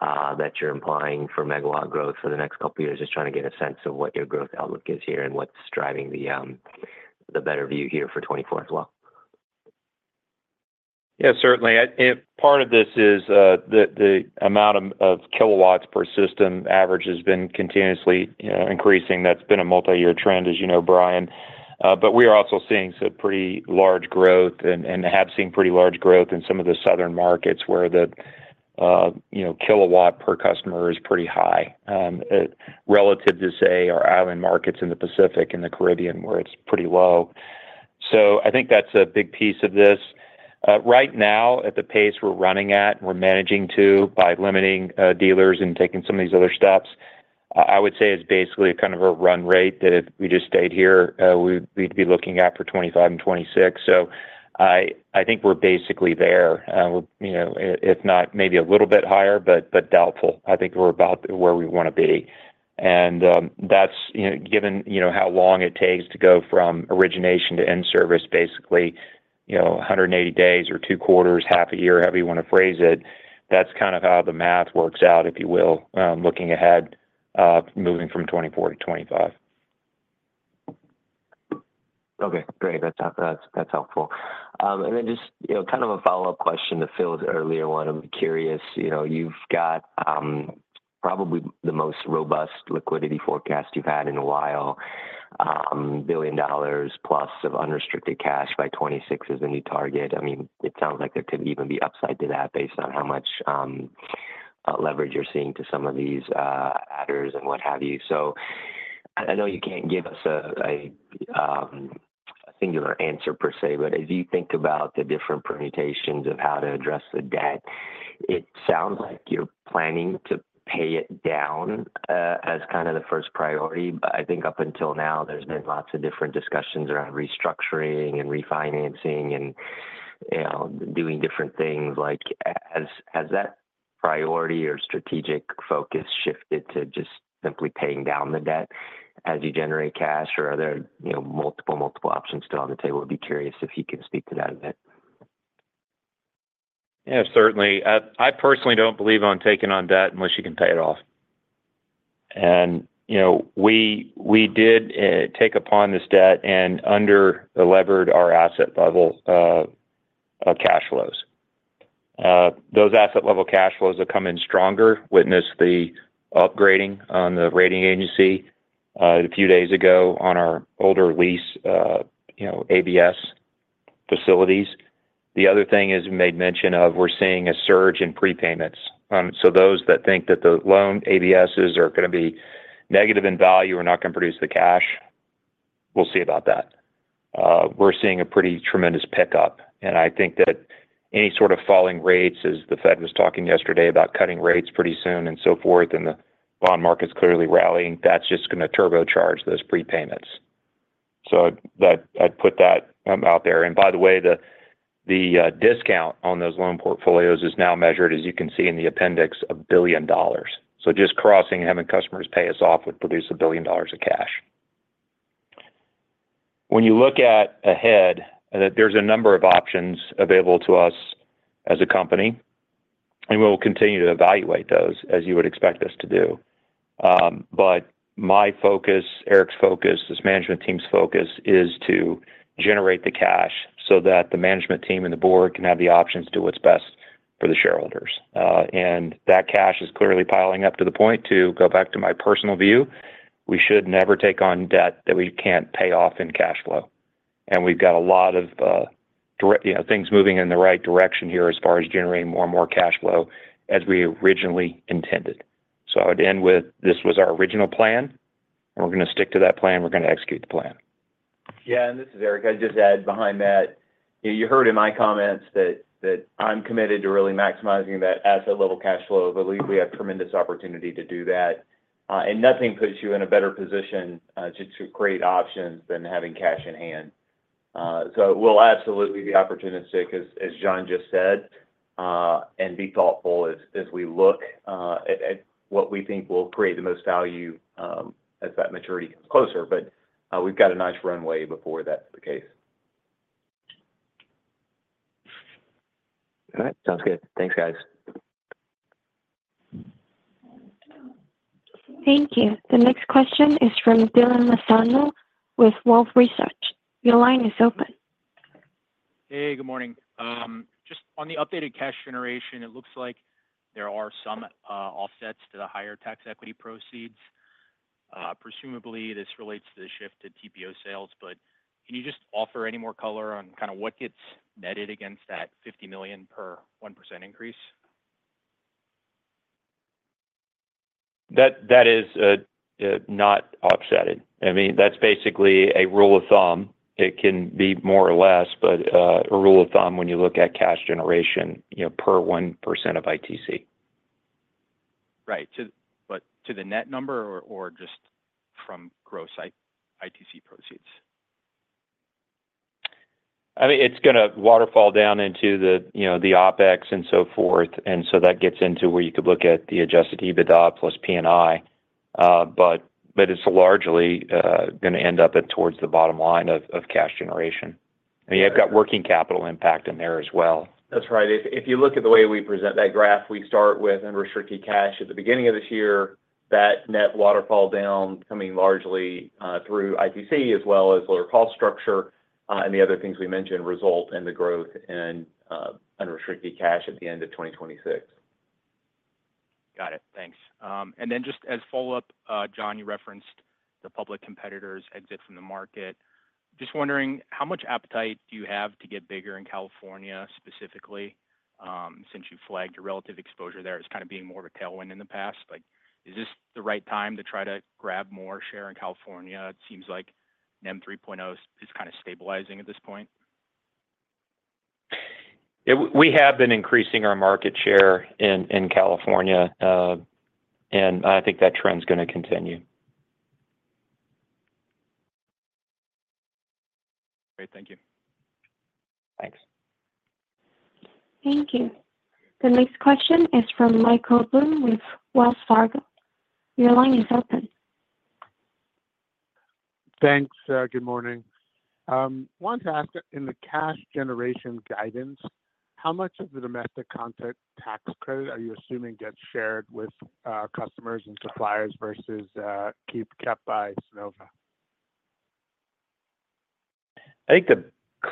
that you're implying for megawatt growth for the next couple of years? Just trying to get a sense of what your growth outlook is here and what's driving the better view here for 2024 as well. Yeah, certainly. Part of this is the amount of kilowatts per system average has been continuously increasing. That's been a multi-year trend, as you know, Brian. But we are also seeing some pretty large growth and have seen pretty large growth in some of the southern markets where the kilowatt per customer is pretty high relative to, say, our island markets in the Pacific and the Caribbean where it's pretty low. So I think that's a big piece of this. Right now, at the pace we're running at, we're managing to by limiting dealers and taking some of these other steps, I would say is basically kind of a run rate that if we just stayed here, we'd be looking at for 2025 and 2026. So I think we're basically there, if not maybe a little bit higher, but doubtful. I think we're about where we want to be. And that's given how long it takes to go from origination to end service, basically 180 days or two quarters, half a year, however you want to phrase it. That's kind of how the math works out, if you will, looking ahead moving from 2024 to 2025. Okay. Great. That's helpful. And then just kind of a follow-up question to Phil's earlier one. I'm curious. You've got probably the most robust liquidity forecast you've had in a while, $1 billion plus of unrestricted cash by 2026 as a new target. I mean, it sounds like there could even be upside to that based on how much leverage you're seeing to some of these adders and what have you. So I know you can't give us a singular answer per se, but as you think about the different permutations of how to address the debt, it sounds like you're planning to pay it down as kind of the first priority. But I think up until now, there's been lots of different discussions around restructuring and refinancing and doing different things. Has that priority or strategic focus shifted to just simply paying down the debt as you generate cash or are there multiple, multiple options still on the table? I'd be curious if you can speak to that a bit. Yeah, certainly. I personally don't believe on taking on debt unless you can pay it off. And we did take upon this debt and under-levered our asset level cash flows. Those asset level cash flows are coming stronger. witnessed the upgrading on the rating agency a few days ago on our older lease ABS facilities. The other thing is made mention of we're seeing a surge in prepayments. So those that think that the loan ABSs are going to be negative in value or not going to produce the cash, we'll see about that. We're seeing a pretty tremendous pickup. And I think that any sort of falling rates, as the Fed was talking yesterday about cutting rates pretty soon and so forth, and the bond market's clearly rallying, that's just going to turbocharge those prepayments. So I'd put that out there. And by the way, the discount on those loan portfolios is now measured, as you can see in the appendix, $1 billion. So just crossing having customers pay us off would produce $1 billion of cash. When you look ahead, there's a number of options available to us as a company. We'll continue to evaluate those, as you would expect us to do. But my focus, Eric's focus, this management team's focus is to generate the cash so that the management team and the board can have the options to do what's best for the shareholders. That cash is clearly piling up to the point, to go back to my personal view, we should never take on debt that we can't pay off in cash flow. We've got a lot of things moving in the right direction here as far as generating more and more cash flow as we originally intended. So I would end with this was our original plan, and we're going to stick to that plan. We're going to execute the plan. Yeah. And this is Eric. I'd just add behind that, you heard in my comments that I'm committed to really maximizing that asset level cash flow. I believe we have tremendous opportunity to do that. And nothing puts you in a better position just to create options than having cash in hand. So we'll absolutely be opportunistic, as John just said, and be thoughtful as we look at what we think will create the most value as that maturity comes closer. But we've got a nice runway before that's the case. All right. Sounds good. Thanks, guys. Thank you. The next question is from Dylan Lozano with Wolfe Research. Your line is open. Hey, good morning. Just on the updated cash generation, it looks like there are some offsets to the higher tax equity proceeds. Presumably, this relates to the shift to TPO sales. But can you just offer any more color on kind of what gets netted against that $50 million per 1% increase? That is not offset. I mean, that's basically a rule of thumb. It can be more or less, but a rule of thumb when you look at cash generation per 1% of ITC. Right. But to the net number or just from gross ITC proceeds? I mean, it's going to waterfall down into the OpEx and so forth. And so that gets into where you could look at the Adjusted EBITDA + P&I. But it's largely going to end up towards the bottom line of cash generation. And you've got working capital impact in there as well. That's right. If you look at the way we present that graph, we start with unrestricted cash at the beginning of this year. That net waterfall down coming largely through ITC as well as lower cost structure and the other things we mentioned result in the growth in unrestricted cash at the end of 2026. Got it. Thanks. And then just as follow-up, John, you referenced the public competitors exit from the market. Just wondering, how much appetite do you have to get bigger in California specifically since you flagged your relative exposure there as kind of being more of a tailwind in the past? Is this the right time to try to grab more share in California? It seems like NEM 3.0 is kind of stabilizing at this point. Yeah. We have been increasing our market share in California. And I think that trend's going to continue. Great. Thank you. Thanks. Thank you. The next question is from Michael Blum with Wells Fargo. Your line is open. Thanks. Good morning. I wanted to ask, in the cash generation guidance, how much of the domestic content tax credit are you assuming gets shared with customers and suppliers versus kept by Sunnova? I think the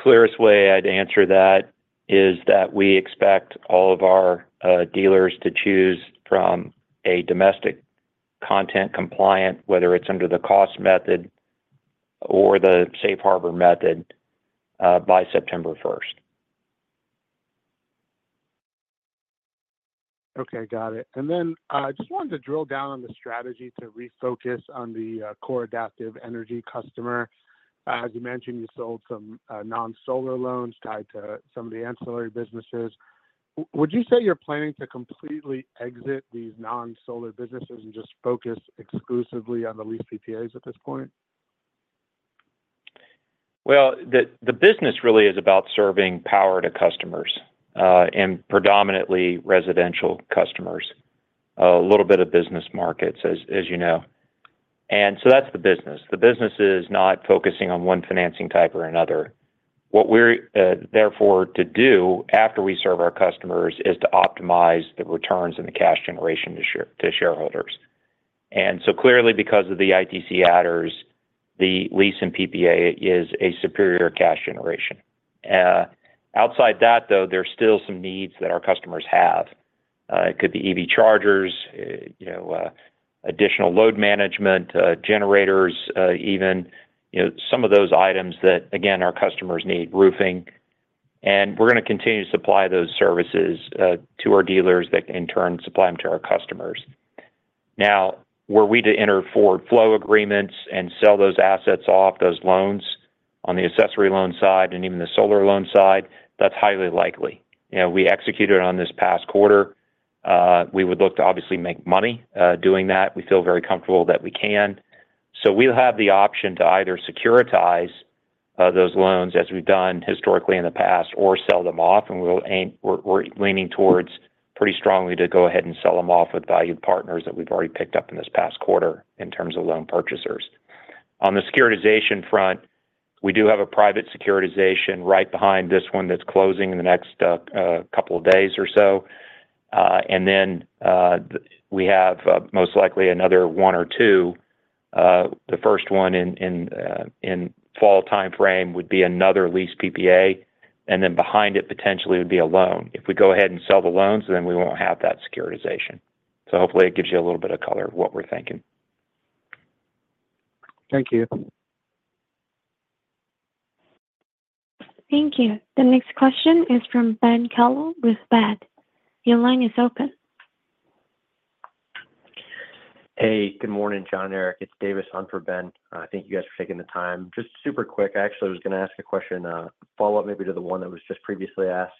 clearest way I'd answer that is that we expect all of our dealers to choose from a domestic content compliant, whether it's under the cost method or the safe harbor method, by September 1st. Okay. Got it. And then I just wanted to drill down on the strategy to refocus on the core adaptive energy customer. As you mentioned, you sold some non-solar loans tied to some of the ancillary businesses. Would you say you're planning to completely exit these non-solar businesses and just focus exclusively on the lease PPAs at this point? Well, the business really is about serving power to customers and predominantly residential customers, a little bit of business markets, as you know. That's the business. The business is not focusing on one financing type or another. What we're therefore to do after we serve our customers is to optimize the returns and the cash generation to shareholders. And so clearly, because of the ITC adders, the lease and PPA is a superior cash generation. Outside that, though, there's still some needs that our customers have. It could be EV chargers, additional load management, generators even, some of those items that, again, our customers need, roofing. We're going to continue to supply those services to our dealers that, in turn, supply them to our customers. Now, were we to enter forward flow agreements and sell those assets off, those loans on the accessory loan side and even the solar loan side, that's highly likely. We executed on this past quarter. We would look to obviously make money doing that. We feel very comfortable that we can. So we'll have the option to either securitize those loans, as we've done historically in the past, or sell them off. And we're leaning towards pretty strongly to go ahead and sell them off with valued partners that we've already picked up in this past quarter in terms of loan purchasers. On the securitization front, we do have a private securitization right behind this one that's closing in the next couple of days or so. And then we have most likely another one or two. The first one in fall timeframe would be another lease PPA. And then behind it, potentially, would be a loan. If we go ahead and sell the loans, then we won't have that securitization. So hopefully, it gives you a little bit of color of what we're thinking. Thank you. Thank you. The next question is from Ben Kallo with Baird. Your line is open. Hey, good morning, John and Eric. It's Davis on for Ben. Thank you guys for taking the time. Just super quick, I actually was going to ask a question, follow-up maybe to the one that was just previously asked,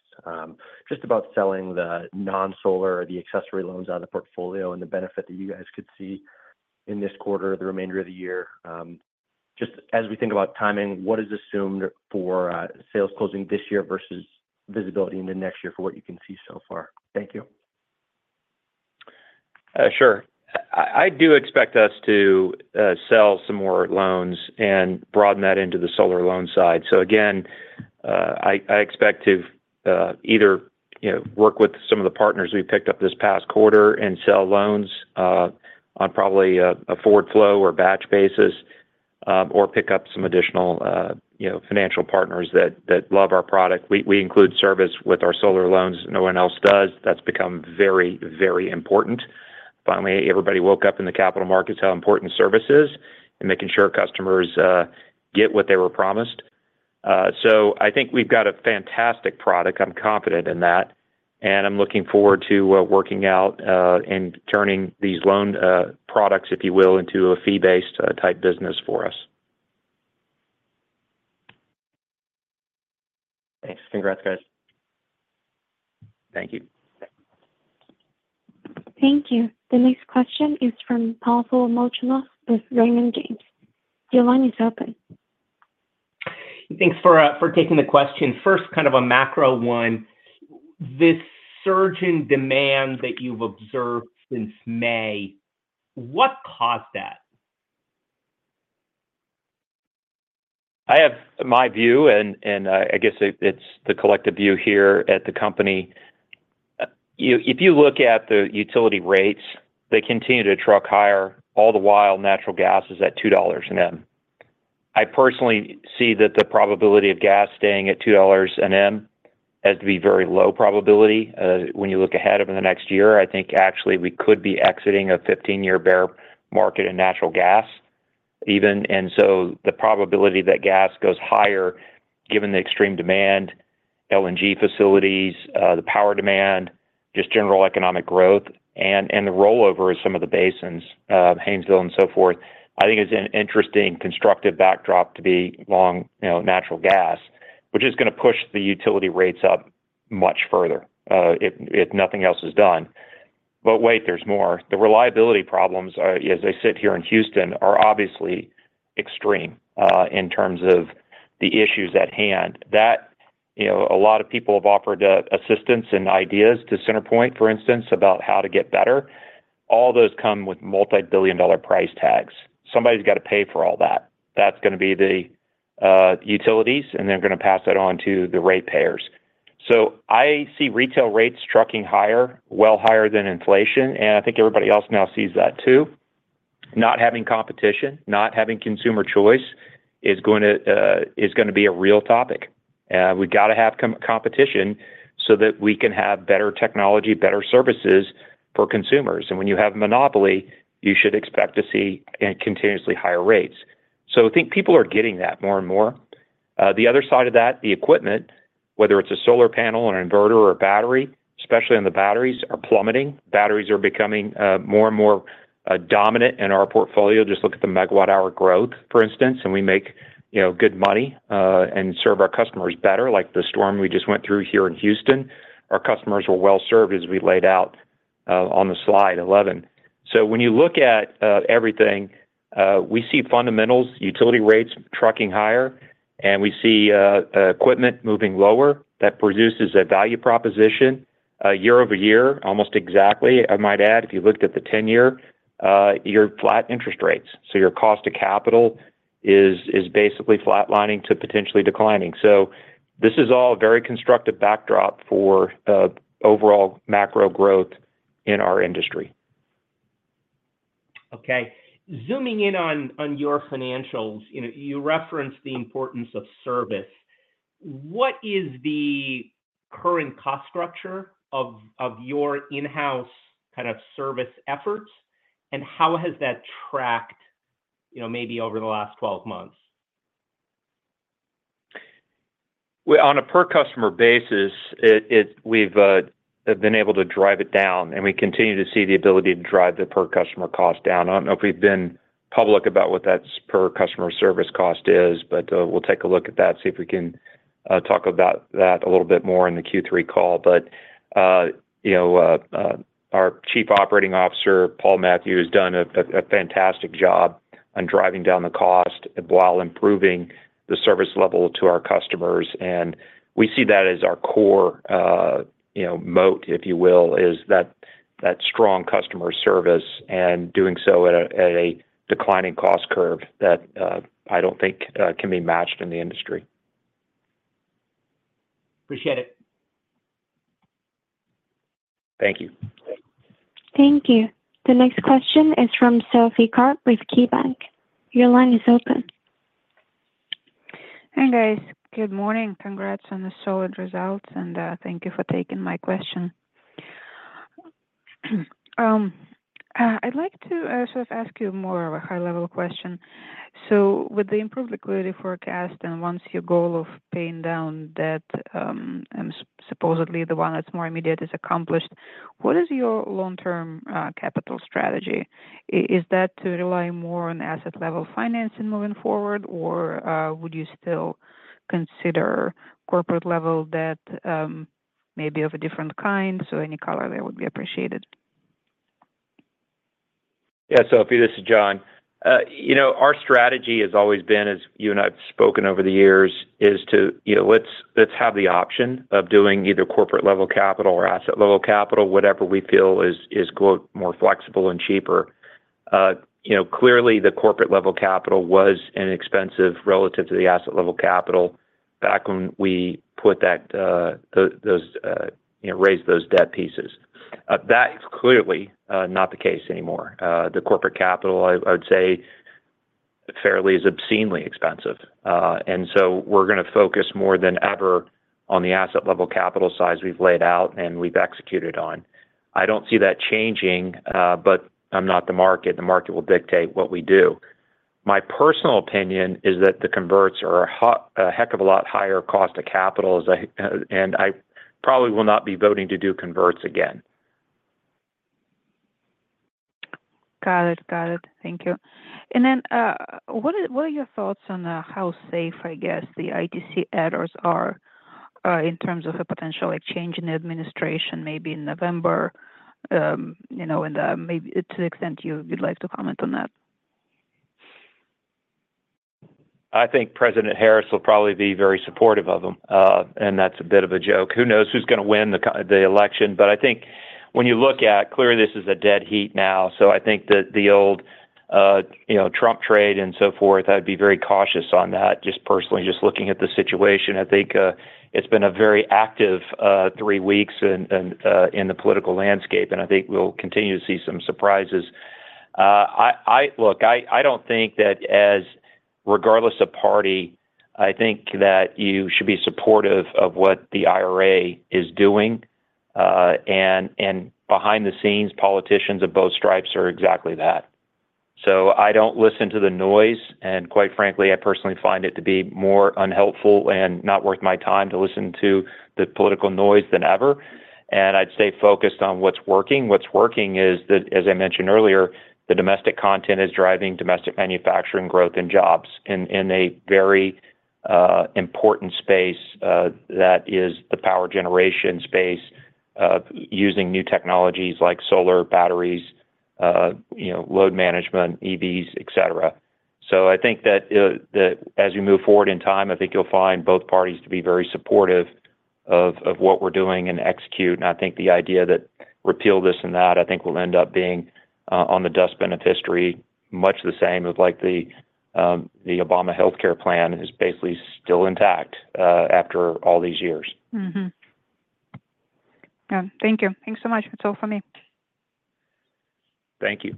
just about selling the non-solar or the accessory loans out of the portfolio and the benefit that you guys could see in this quarter, the remainder of the year. Just as we think about timing, what is assumed for sales closing this year versus visibility into next year for what you can see so far? Thank you. Sure. I do expect us to sell some more loans and broaden that into the solar loan side. So again, I expect to either work with some of the partners we picked up this past quarter and sell loans on probably a forward flow or batch basis or pick up some additional financial partners that love our product. We include service with our solar loans. No one else does. That's become very, very important. Finally, everybody woke up in the capital markets how important service is and making sure customers get what they were promised. So I think we've got a fantastic product. I'm confident in that. And I'm looking forward to working out and turning these loan products, if you will, into a fee-based type business for us. Thanks. Congrats, guys. Thank you. Thank you. The next question is from Pavel Molchanov with Raymond James. Your line is open. Thanks for taking the question. First, kind of a macro one. This surge in demand that you've observed since May, what caused that? I have my view, and I guess it's the collective view here at the company. If you look at the utility rates, they continue to truck higher, all the while natural gas is at $2 an M. I personally see that the probability of gas staying at $2 an M has to be very low probability. When you look ahead over the next year, I think actually we could be exiting a 15-year bear market in natural gas even. And so the probability that gas goes higher, given the extreme demand, LNG facilities, the power demand, just general economic growth, and the rollover of some of the basins, Haynesville and so forth, I think is an interesting constructive backdrop to be long natural gas, which is going to push the utility rates up much further if nothing else is done. But wait, there's more. The reliability problems, as they sit here in Houston, are obviously extreme in terms of the issues at hand. A lot of people have offered assistance and ideas to CenterPoint, for instance, about how to get better. All those come with multi-billion dollar price tags. Somebody's got to pay for all that. That's going to be the utilities, and they're going to pass that on to the ratepayers. So I see retail rates trucking higher, well higher than inflation. I think everybody else now sees that too. Not having competition, not having consumer choice is going to be a real topic. We've got to have competition so that we can have better technology, better services for consumers. And when you have a monopoly, you should expect to see continuously higher rates. So I think people are getting that more and more. The other side of that, the equipment, whether it's a solar panel, an inverter, or a battery, especially on the batteries, are plummeting. Batteries are becoming more and more dominant in our portfolio. Just look at the megawatt-hour growth, for instance, and we make good money and serve our customers better. Like the storm we just went through here in Houston, our customers were well served as we laid out on the Slide 11. So when you look at everything, we see fundamentals, utility rates trucking higher, and we see equipment moving lower that produces a value proposition year-over-year, almost exactly. I might add, if you looked at the 10-year, you're flat interest rates. So your cost of capital is basically flatlining to potentially declining. So this is all a very constructive backdrop for overall macro growth in our industry. Okay. Zooming in on your financials, you referenced the importance of service. What is the current cost structure of your in-house kind of service efforts, and how has that tracked maybe over the last 12 months? On a per-customer basis, we've been able to drive it down, and we continue to see the ability to drive the per-customer cost down. I don't know if we've been public about what that per-customer service cost is, but we'll take a look at that, see if we can talk about that a little bit more in the Q3 call. But our Chief Operating Officer, Paul Mathews, has done a fantastic job on driving down the cost while improving the service level to our customers. And we see that as our core moat, if you will, is that strong customer service and doing so at a declining cost curve that I don't think can be matched in the industry. Appreciate it. Thank you. Thank you. The next question is from Sophie Karp with KeyBanc. Your line is open. Hey, guys. Good morning. Congrats on the solid results, and thank you for taking my question. I'd like to sort of ask you more of a high-level question. So with the improved liquidity forecast and once your goal of paying down debt, supposedly the one that's more immediate, is accomplished, what is your long-term capital strategy? Is that to rely more on asset-level financing moving forward, or would you still consider corporate-level debt maybe of a different kind? So any color there would be appreciated. Yeah. Sophie, this is John. Our strategy has always been, as you and I've spoken over the years, is to let's have the option of doing either corporate-level capital or asset-level capital, whatever we feel is more flexible and cheaper. Clearly, the corporate-level capital was inexpensive relative to the asset-level capital back when we raised those debt pieces. That's clearly not the case anymore. The corporate capital, I would say, fairly is obscenely expensive. And so we're going to focus more than ever on the asset-level capital size we've laid out and we've executed on. I don't see that changing, but I'm not the market. The market will dictate what we do. My personal opinion is that the converts are a heck of a lot higher cost of capital, and I probably will not be voting to do converts again. Got it. Got it. Thank you. And then what are your thoughts on how safe, I guess, the ITC adders are in terms of a potential change in the administration maybe in November, and to the extent you'd like to comment on that? I think President Harris will probably be very supportive of them, and that's a bit of a joke. Who knows who's going to win the election? But I think when you look at, clearly, this is a dead heat now. So I think that the old Trump trade and so forth, I'd be very cautious on that. Just personally, just looking at the situation, I think it's been a very active three weeks in the political landscape, and I think we'll continue to see some surprises. Look, I don't think that as regardless of party, I think that you should be supportive of what the IRA is doing. And behind the scenes, politicians of both stripes are exactly that. So I don't listen to the noise. And quite frankly, I personally find it to be more unhelpful and not worth my time to listen to the political noise than ever. And I'd stay focused on what's working. What's working is that, as I mentioned earlier, the domestic content is driving domestic manufacturing growth and jobs in a very important space that is the power generation space using new technologies like solar batteries, load management, EVs, etc. So I think that as we move forward in time, I think you'll find both parties to be very supportive of what we're doing and execute. And I think the idea that repeal this and that, I think, will end up being on the dustbin of history, much the same as the Obama healthcare plan is basically still intact after all these years. Yeah. Thank you. Thanks so much. That's all for me. Thank you.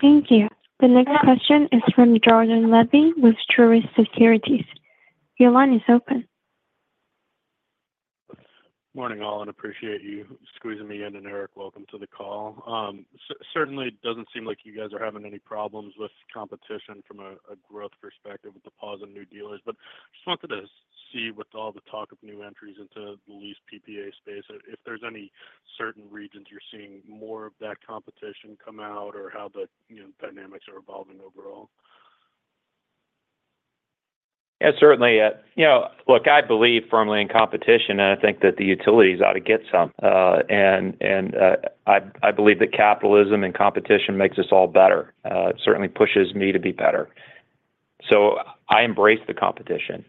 Thank you. The next question is from Jordan Levy with Truist Securities. Your line is open. Morning, all. I appreciate you squeezing me in. And Eric, welcome to the call. Certainly, it doesn't seem like you guys are having any problems with competition from a growth perspective with the pause in new dealers. But I just wanted to see with all the talk of new entries into the lease PPA space, if there's any certain regions you're seeing more of that competition come out or how the dynamics are evolving overall. Yeah, certainly. Look, I believe firmly in competition, and I think that the utilities ought to get some. And I believe that capitalism and competition makes us all better, certainly pushes me to be better. So I embrace the competition.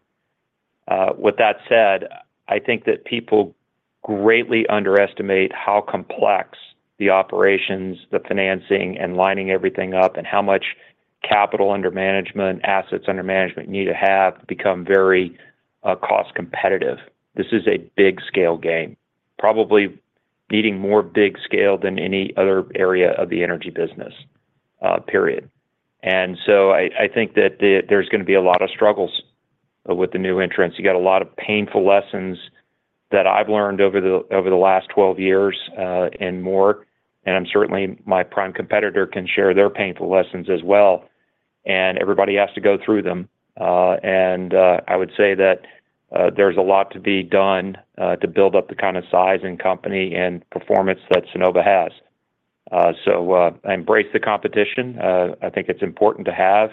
With that said, I think that people greatly underestimate how complex the operations, the financing, and lining everything up, and how much capital under management, assets under management need to have become very cost competitive. This is a big-scale game, probably needing more big scale than any other area of the energy business, period. So I think that there's going to be a lot of struggles with the new entrants. You got a lot of painful lessons that I've learned over the last 12 years and more. I'm certain my prime competitor can share their painful lessons as well. Everybody has to go through them. I would say that there's a lot to be done to build up the kind of size and company and performance that Sunnova has. So I embrace the competition. I think it's important to have.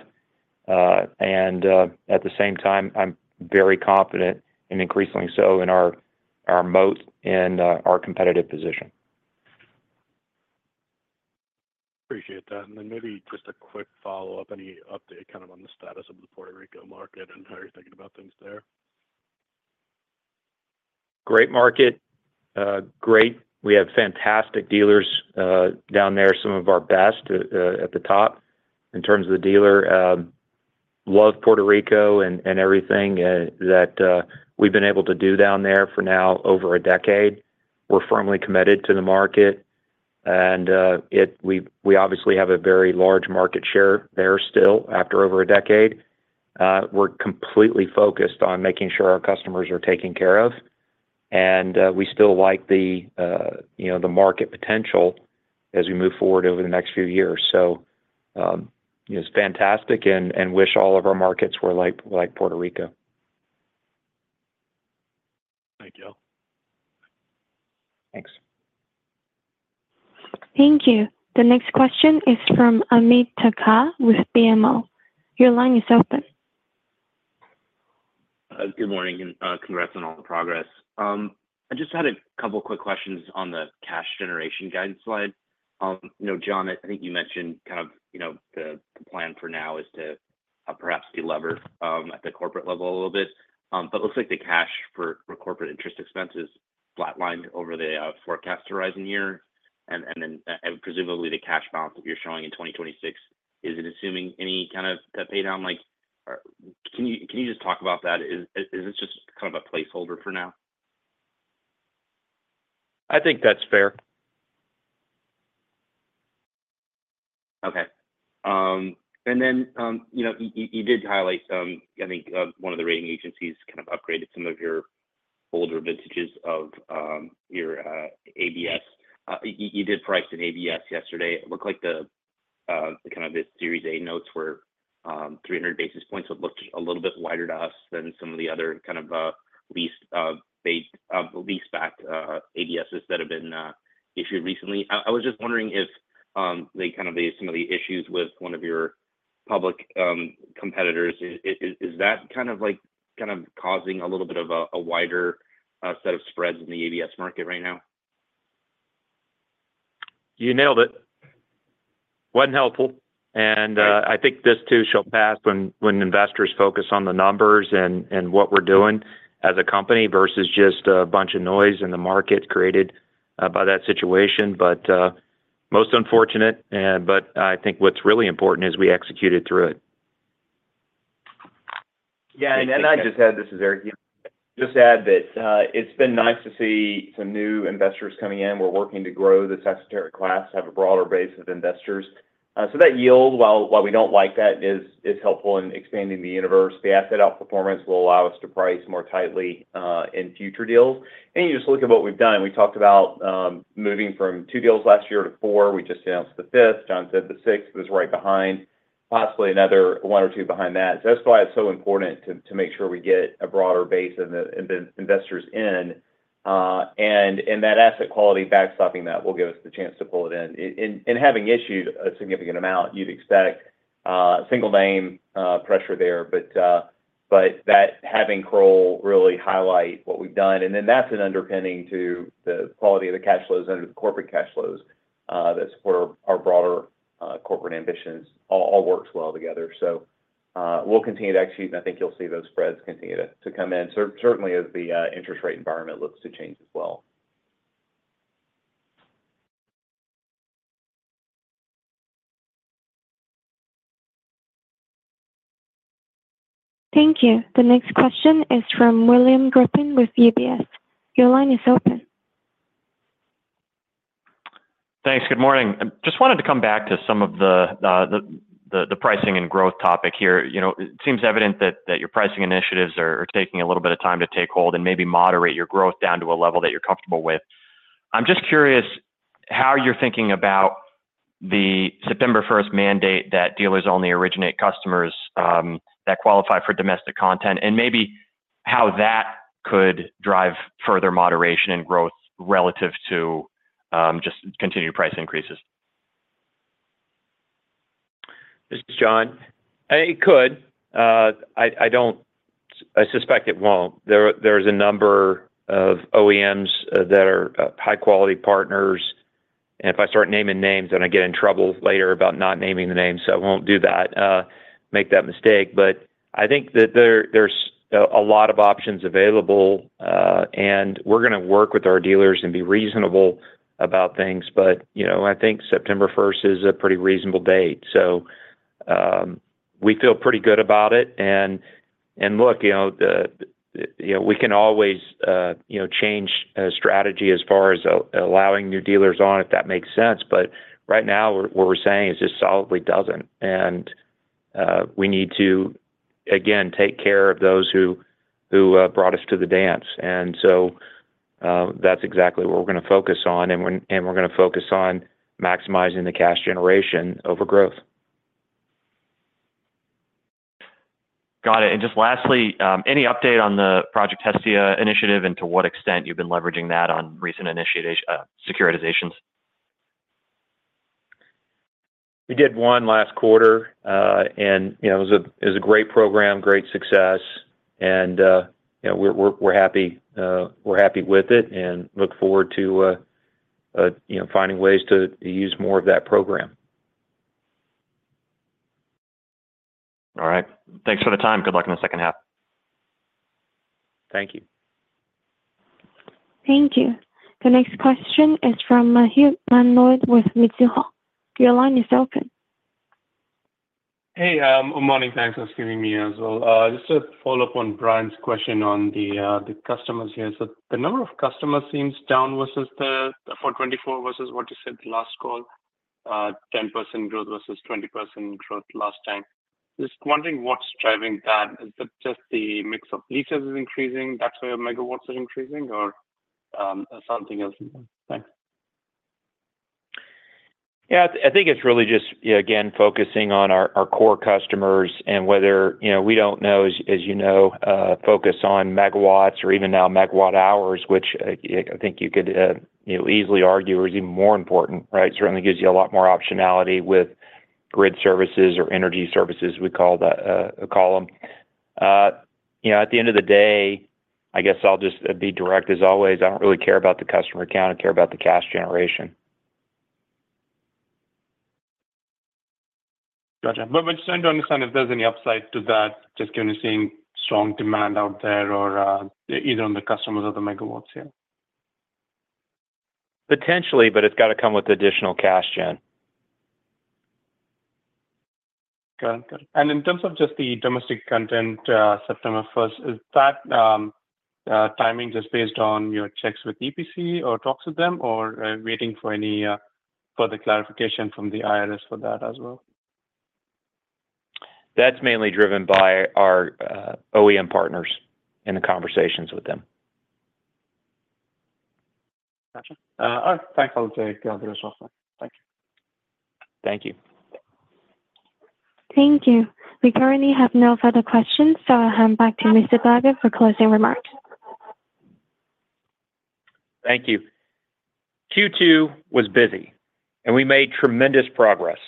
At the same time, I'm very confident, and increasingly so, in our moat and our competitive position. Appreciate that. Then maybe just a quick follow-up, any update kind of on the status of the Puerto Rico market and how you're thinking about things there? Great market. Great. We have fantastic dealers down there, some of our best at the top. In terms of the dealer, love Puerto Rico and everything that we've been able to do down there for now over a decade. We're firmly committed to the market. And we obviously have a very large market share there still after over a decade. We're completely focused on making sure our customers are taken care of. And we still like the market potential as we move forward over the next few years. So it's fantastic and wish all of our markets were like Puerto Rico. Thank you. Thanks. Thank you. The next question is from Ameet Thakkar with BMO. Your line is open. Good morning. Congrats on all the progress. I just had a couple of quick questions on the cash generation guide slide. John, I think you mentioned kind of the plan for now is to perhaps deliver at the corporate level a little bit. But it looks like the cash for corporate interest expenses flatlined over the forecast horizon year. And then presumably the cash balance that you're showing in 2026, is it assuming any kind of pay down? Can you just talk about that? Is this just kind of a placeholder for now? I think that's fair. Okay. And then you did highlight, I think, one of the rating agencies kind of upgraded some of your older vintages of your ABS. You did price an ABS yesterday. It looked like the kind of series A notes were 300 basis points, so it looked a little bit wider to us than some of the other kind of lease-backed ABSs that have been issued recently. I was just wondering if kind of some of the issues with one of your public competitors is that kind of causing a little bit of a wider set of spreads in the ABS market right now? You nailed it. Wasn't helpful. And I think this too shall pass when investors focus on the numbers and what we're doing as a company versus just a bunch of noise in the market created by that situation. But most unfortunate. But I think what's really important is we executed through it. Yeah. And I just add, this is Eric. Just add that it's been nice to see some new investors coming in. We're working to grow this esoteric class, have a broader base of investors. So that yield, while we don't like that, is helpful in expanding the universe. The asset-out performance will allow us to price more tightly in future deals. And you just look at what we've done. We talked about moving from two deals last year to four. We just announced the fifth. John said the sixth was right behind, possibly another one or two behind that. So that's why it's so important to make sure we get a broader base of investors in. And that asset quality backstopping that will give us the chance to pull it in. And having issued a significant amount, you'd expect single-name pressure there. But that having Kroll really highlight what we've done. And then that's an underpinning to the quality of the cash flows under the corporate cash flows that support our broader corporate ambitions. All works well together. So we'll continue to execute, and I think you'll see those spreads continue to come in, certainly as the interest rate environment looks to change as well. Thank you. The next question is from William Grippin with UBS. Your line is open. Thanks. Good morning. Just wanted to come back to some of the pricing and growth topic here. It seems evident that your pricing initiatives are taking a little bit of time to take hold and maybe moderate your growth down to a level that you're comfortable with. I'm just curious how you're thinking about the September 1st mandate that dealers only originate customers that qualify for domestic content, and maybe how that could drive further moderation and growth relative to just continued price increases. This is John. It could. I suspect it won't. There is a number of OEMs that are high-quality partners. And if I start naming names, then I get in trouble later about not naming the names. So I won't do that, make that mistake. But I think that there's a lot of options available, and we're going to work with our dealers and be reasonable about things. But I think September 1st is a pretty reasonable date. So we feel pretty good about it. And look, we can always change strategy as far as allowing new dealers on, if that makes sense. But right now, what we're saying is this solidly doesn't. And we need to, again, take care of those who brought us to the dance. And so that's exactly what we're going to focus on. And we're going to focus on maximizing the cash generation over growth. Got it. And just lastly, any update on the Project Hestia initiative and to what extent you've been leveraging that on recent securitizations? We did one last quarter, and it was a great program, great success. And we're happy with it and look forward to finding ways to use more of that program. All right. Thanks for the time. Good luck in the second half. Thank you. Thank you. The next question is from Maheep Mandloi with Mizuho. Your line is open. Hey. Good morning. Thanks for squeezing me in as well. Just to follow up on Brian's question on the customers here. So the number of customers seems down versus the for 2024 versus what you said last call, 10% growth versus 20% growth last time. Just wondering what's driving that. Is it just the mix of leases is increasing? That's why your megawatts are increasing, or something else? Thanks. Yeah. I think it's really just, again, focusing on our core customers and whether we don't know, as you know, focus on megawatts or even now megawatt hours, which I think you could easily argue is even more important, right? Certainly gives you a lot more optionality with grid services or energy services, we call them. At the end of the day, I guess I'll just be direct as always. I don't really care about the customer count. I care about the cash generation. Gotcha. But just to understand if there's any upside to that, just given you're seeing strong demand out there or either on the customers or the megawatts here? Potentially, but it's got to come with additional cash gen. Got it. Got it. And in terms of just the domestic content, September 1st, is that timing just based on your checks with EPC or talks with them, or are you waiting for any further clarification from the IRS for that as well? That's mainly driven by our OEM partners and the conversations with them. Gotcha. All right. Thanks. I'll take the rest of my time. Thank you. Thank you. Thank you. We currently have no further questions, so I'll hand back to Mr. Berger for closing remarks. Thank you. Q2 was busy, and we made tremendous progress.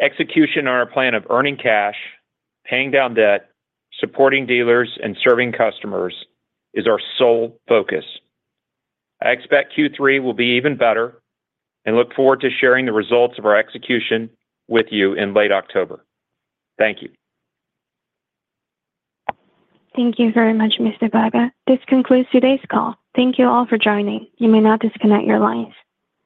Execution on our plan of earning cash, paying down debt, supporting dealers, and serving customers is our sole focus. I expect Q3 will be even better, and look forward to sharing the results of our execution with you in late October. Thank you. Thank you very much, Mr. Berger. This concludes today's call. Thank you all for joining. You may now disconnect your lines.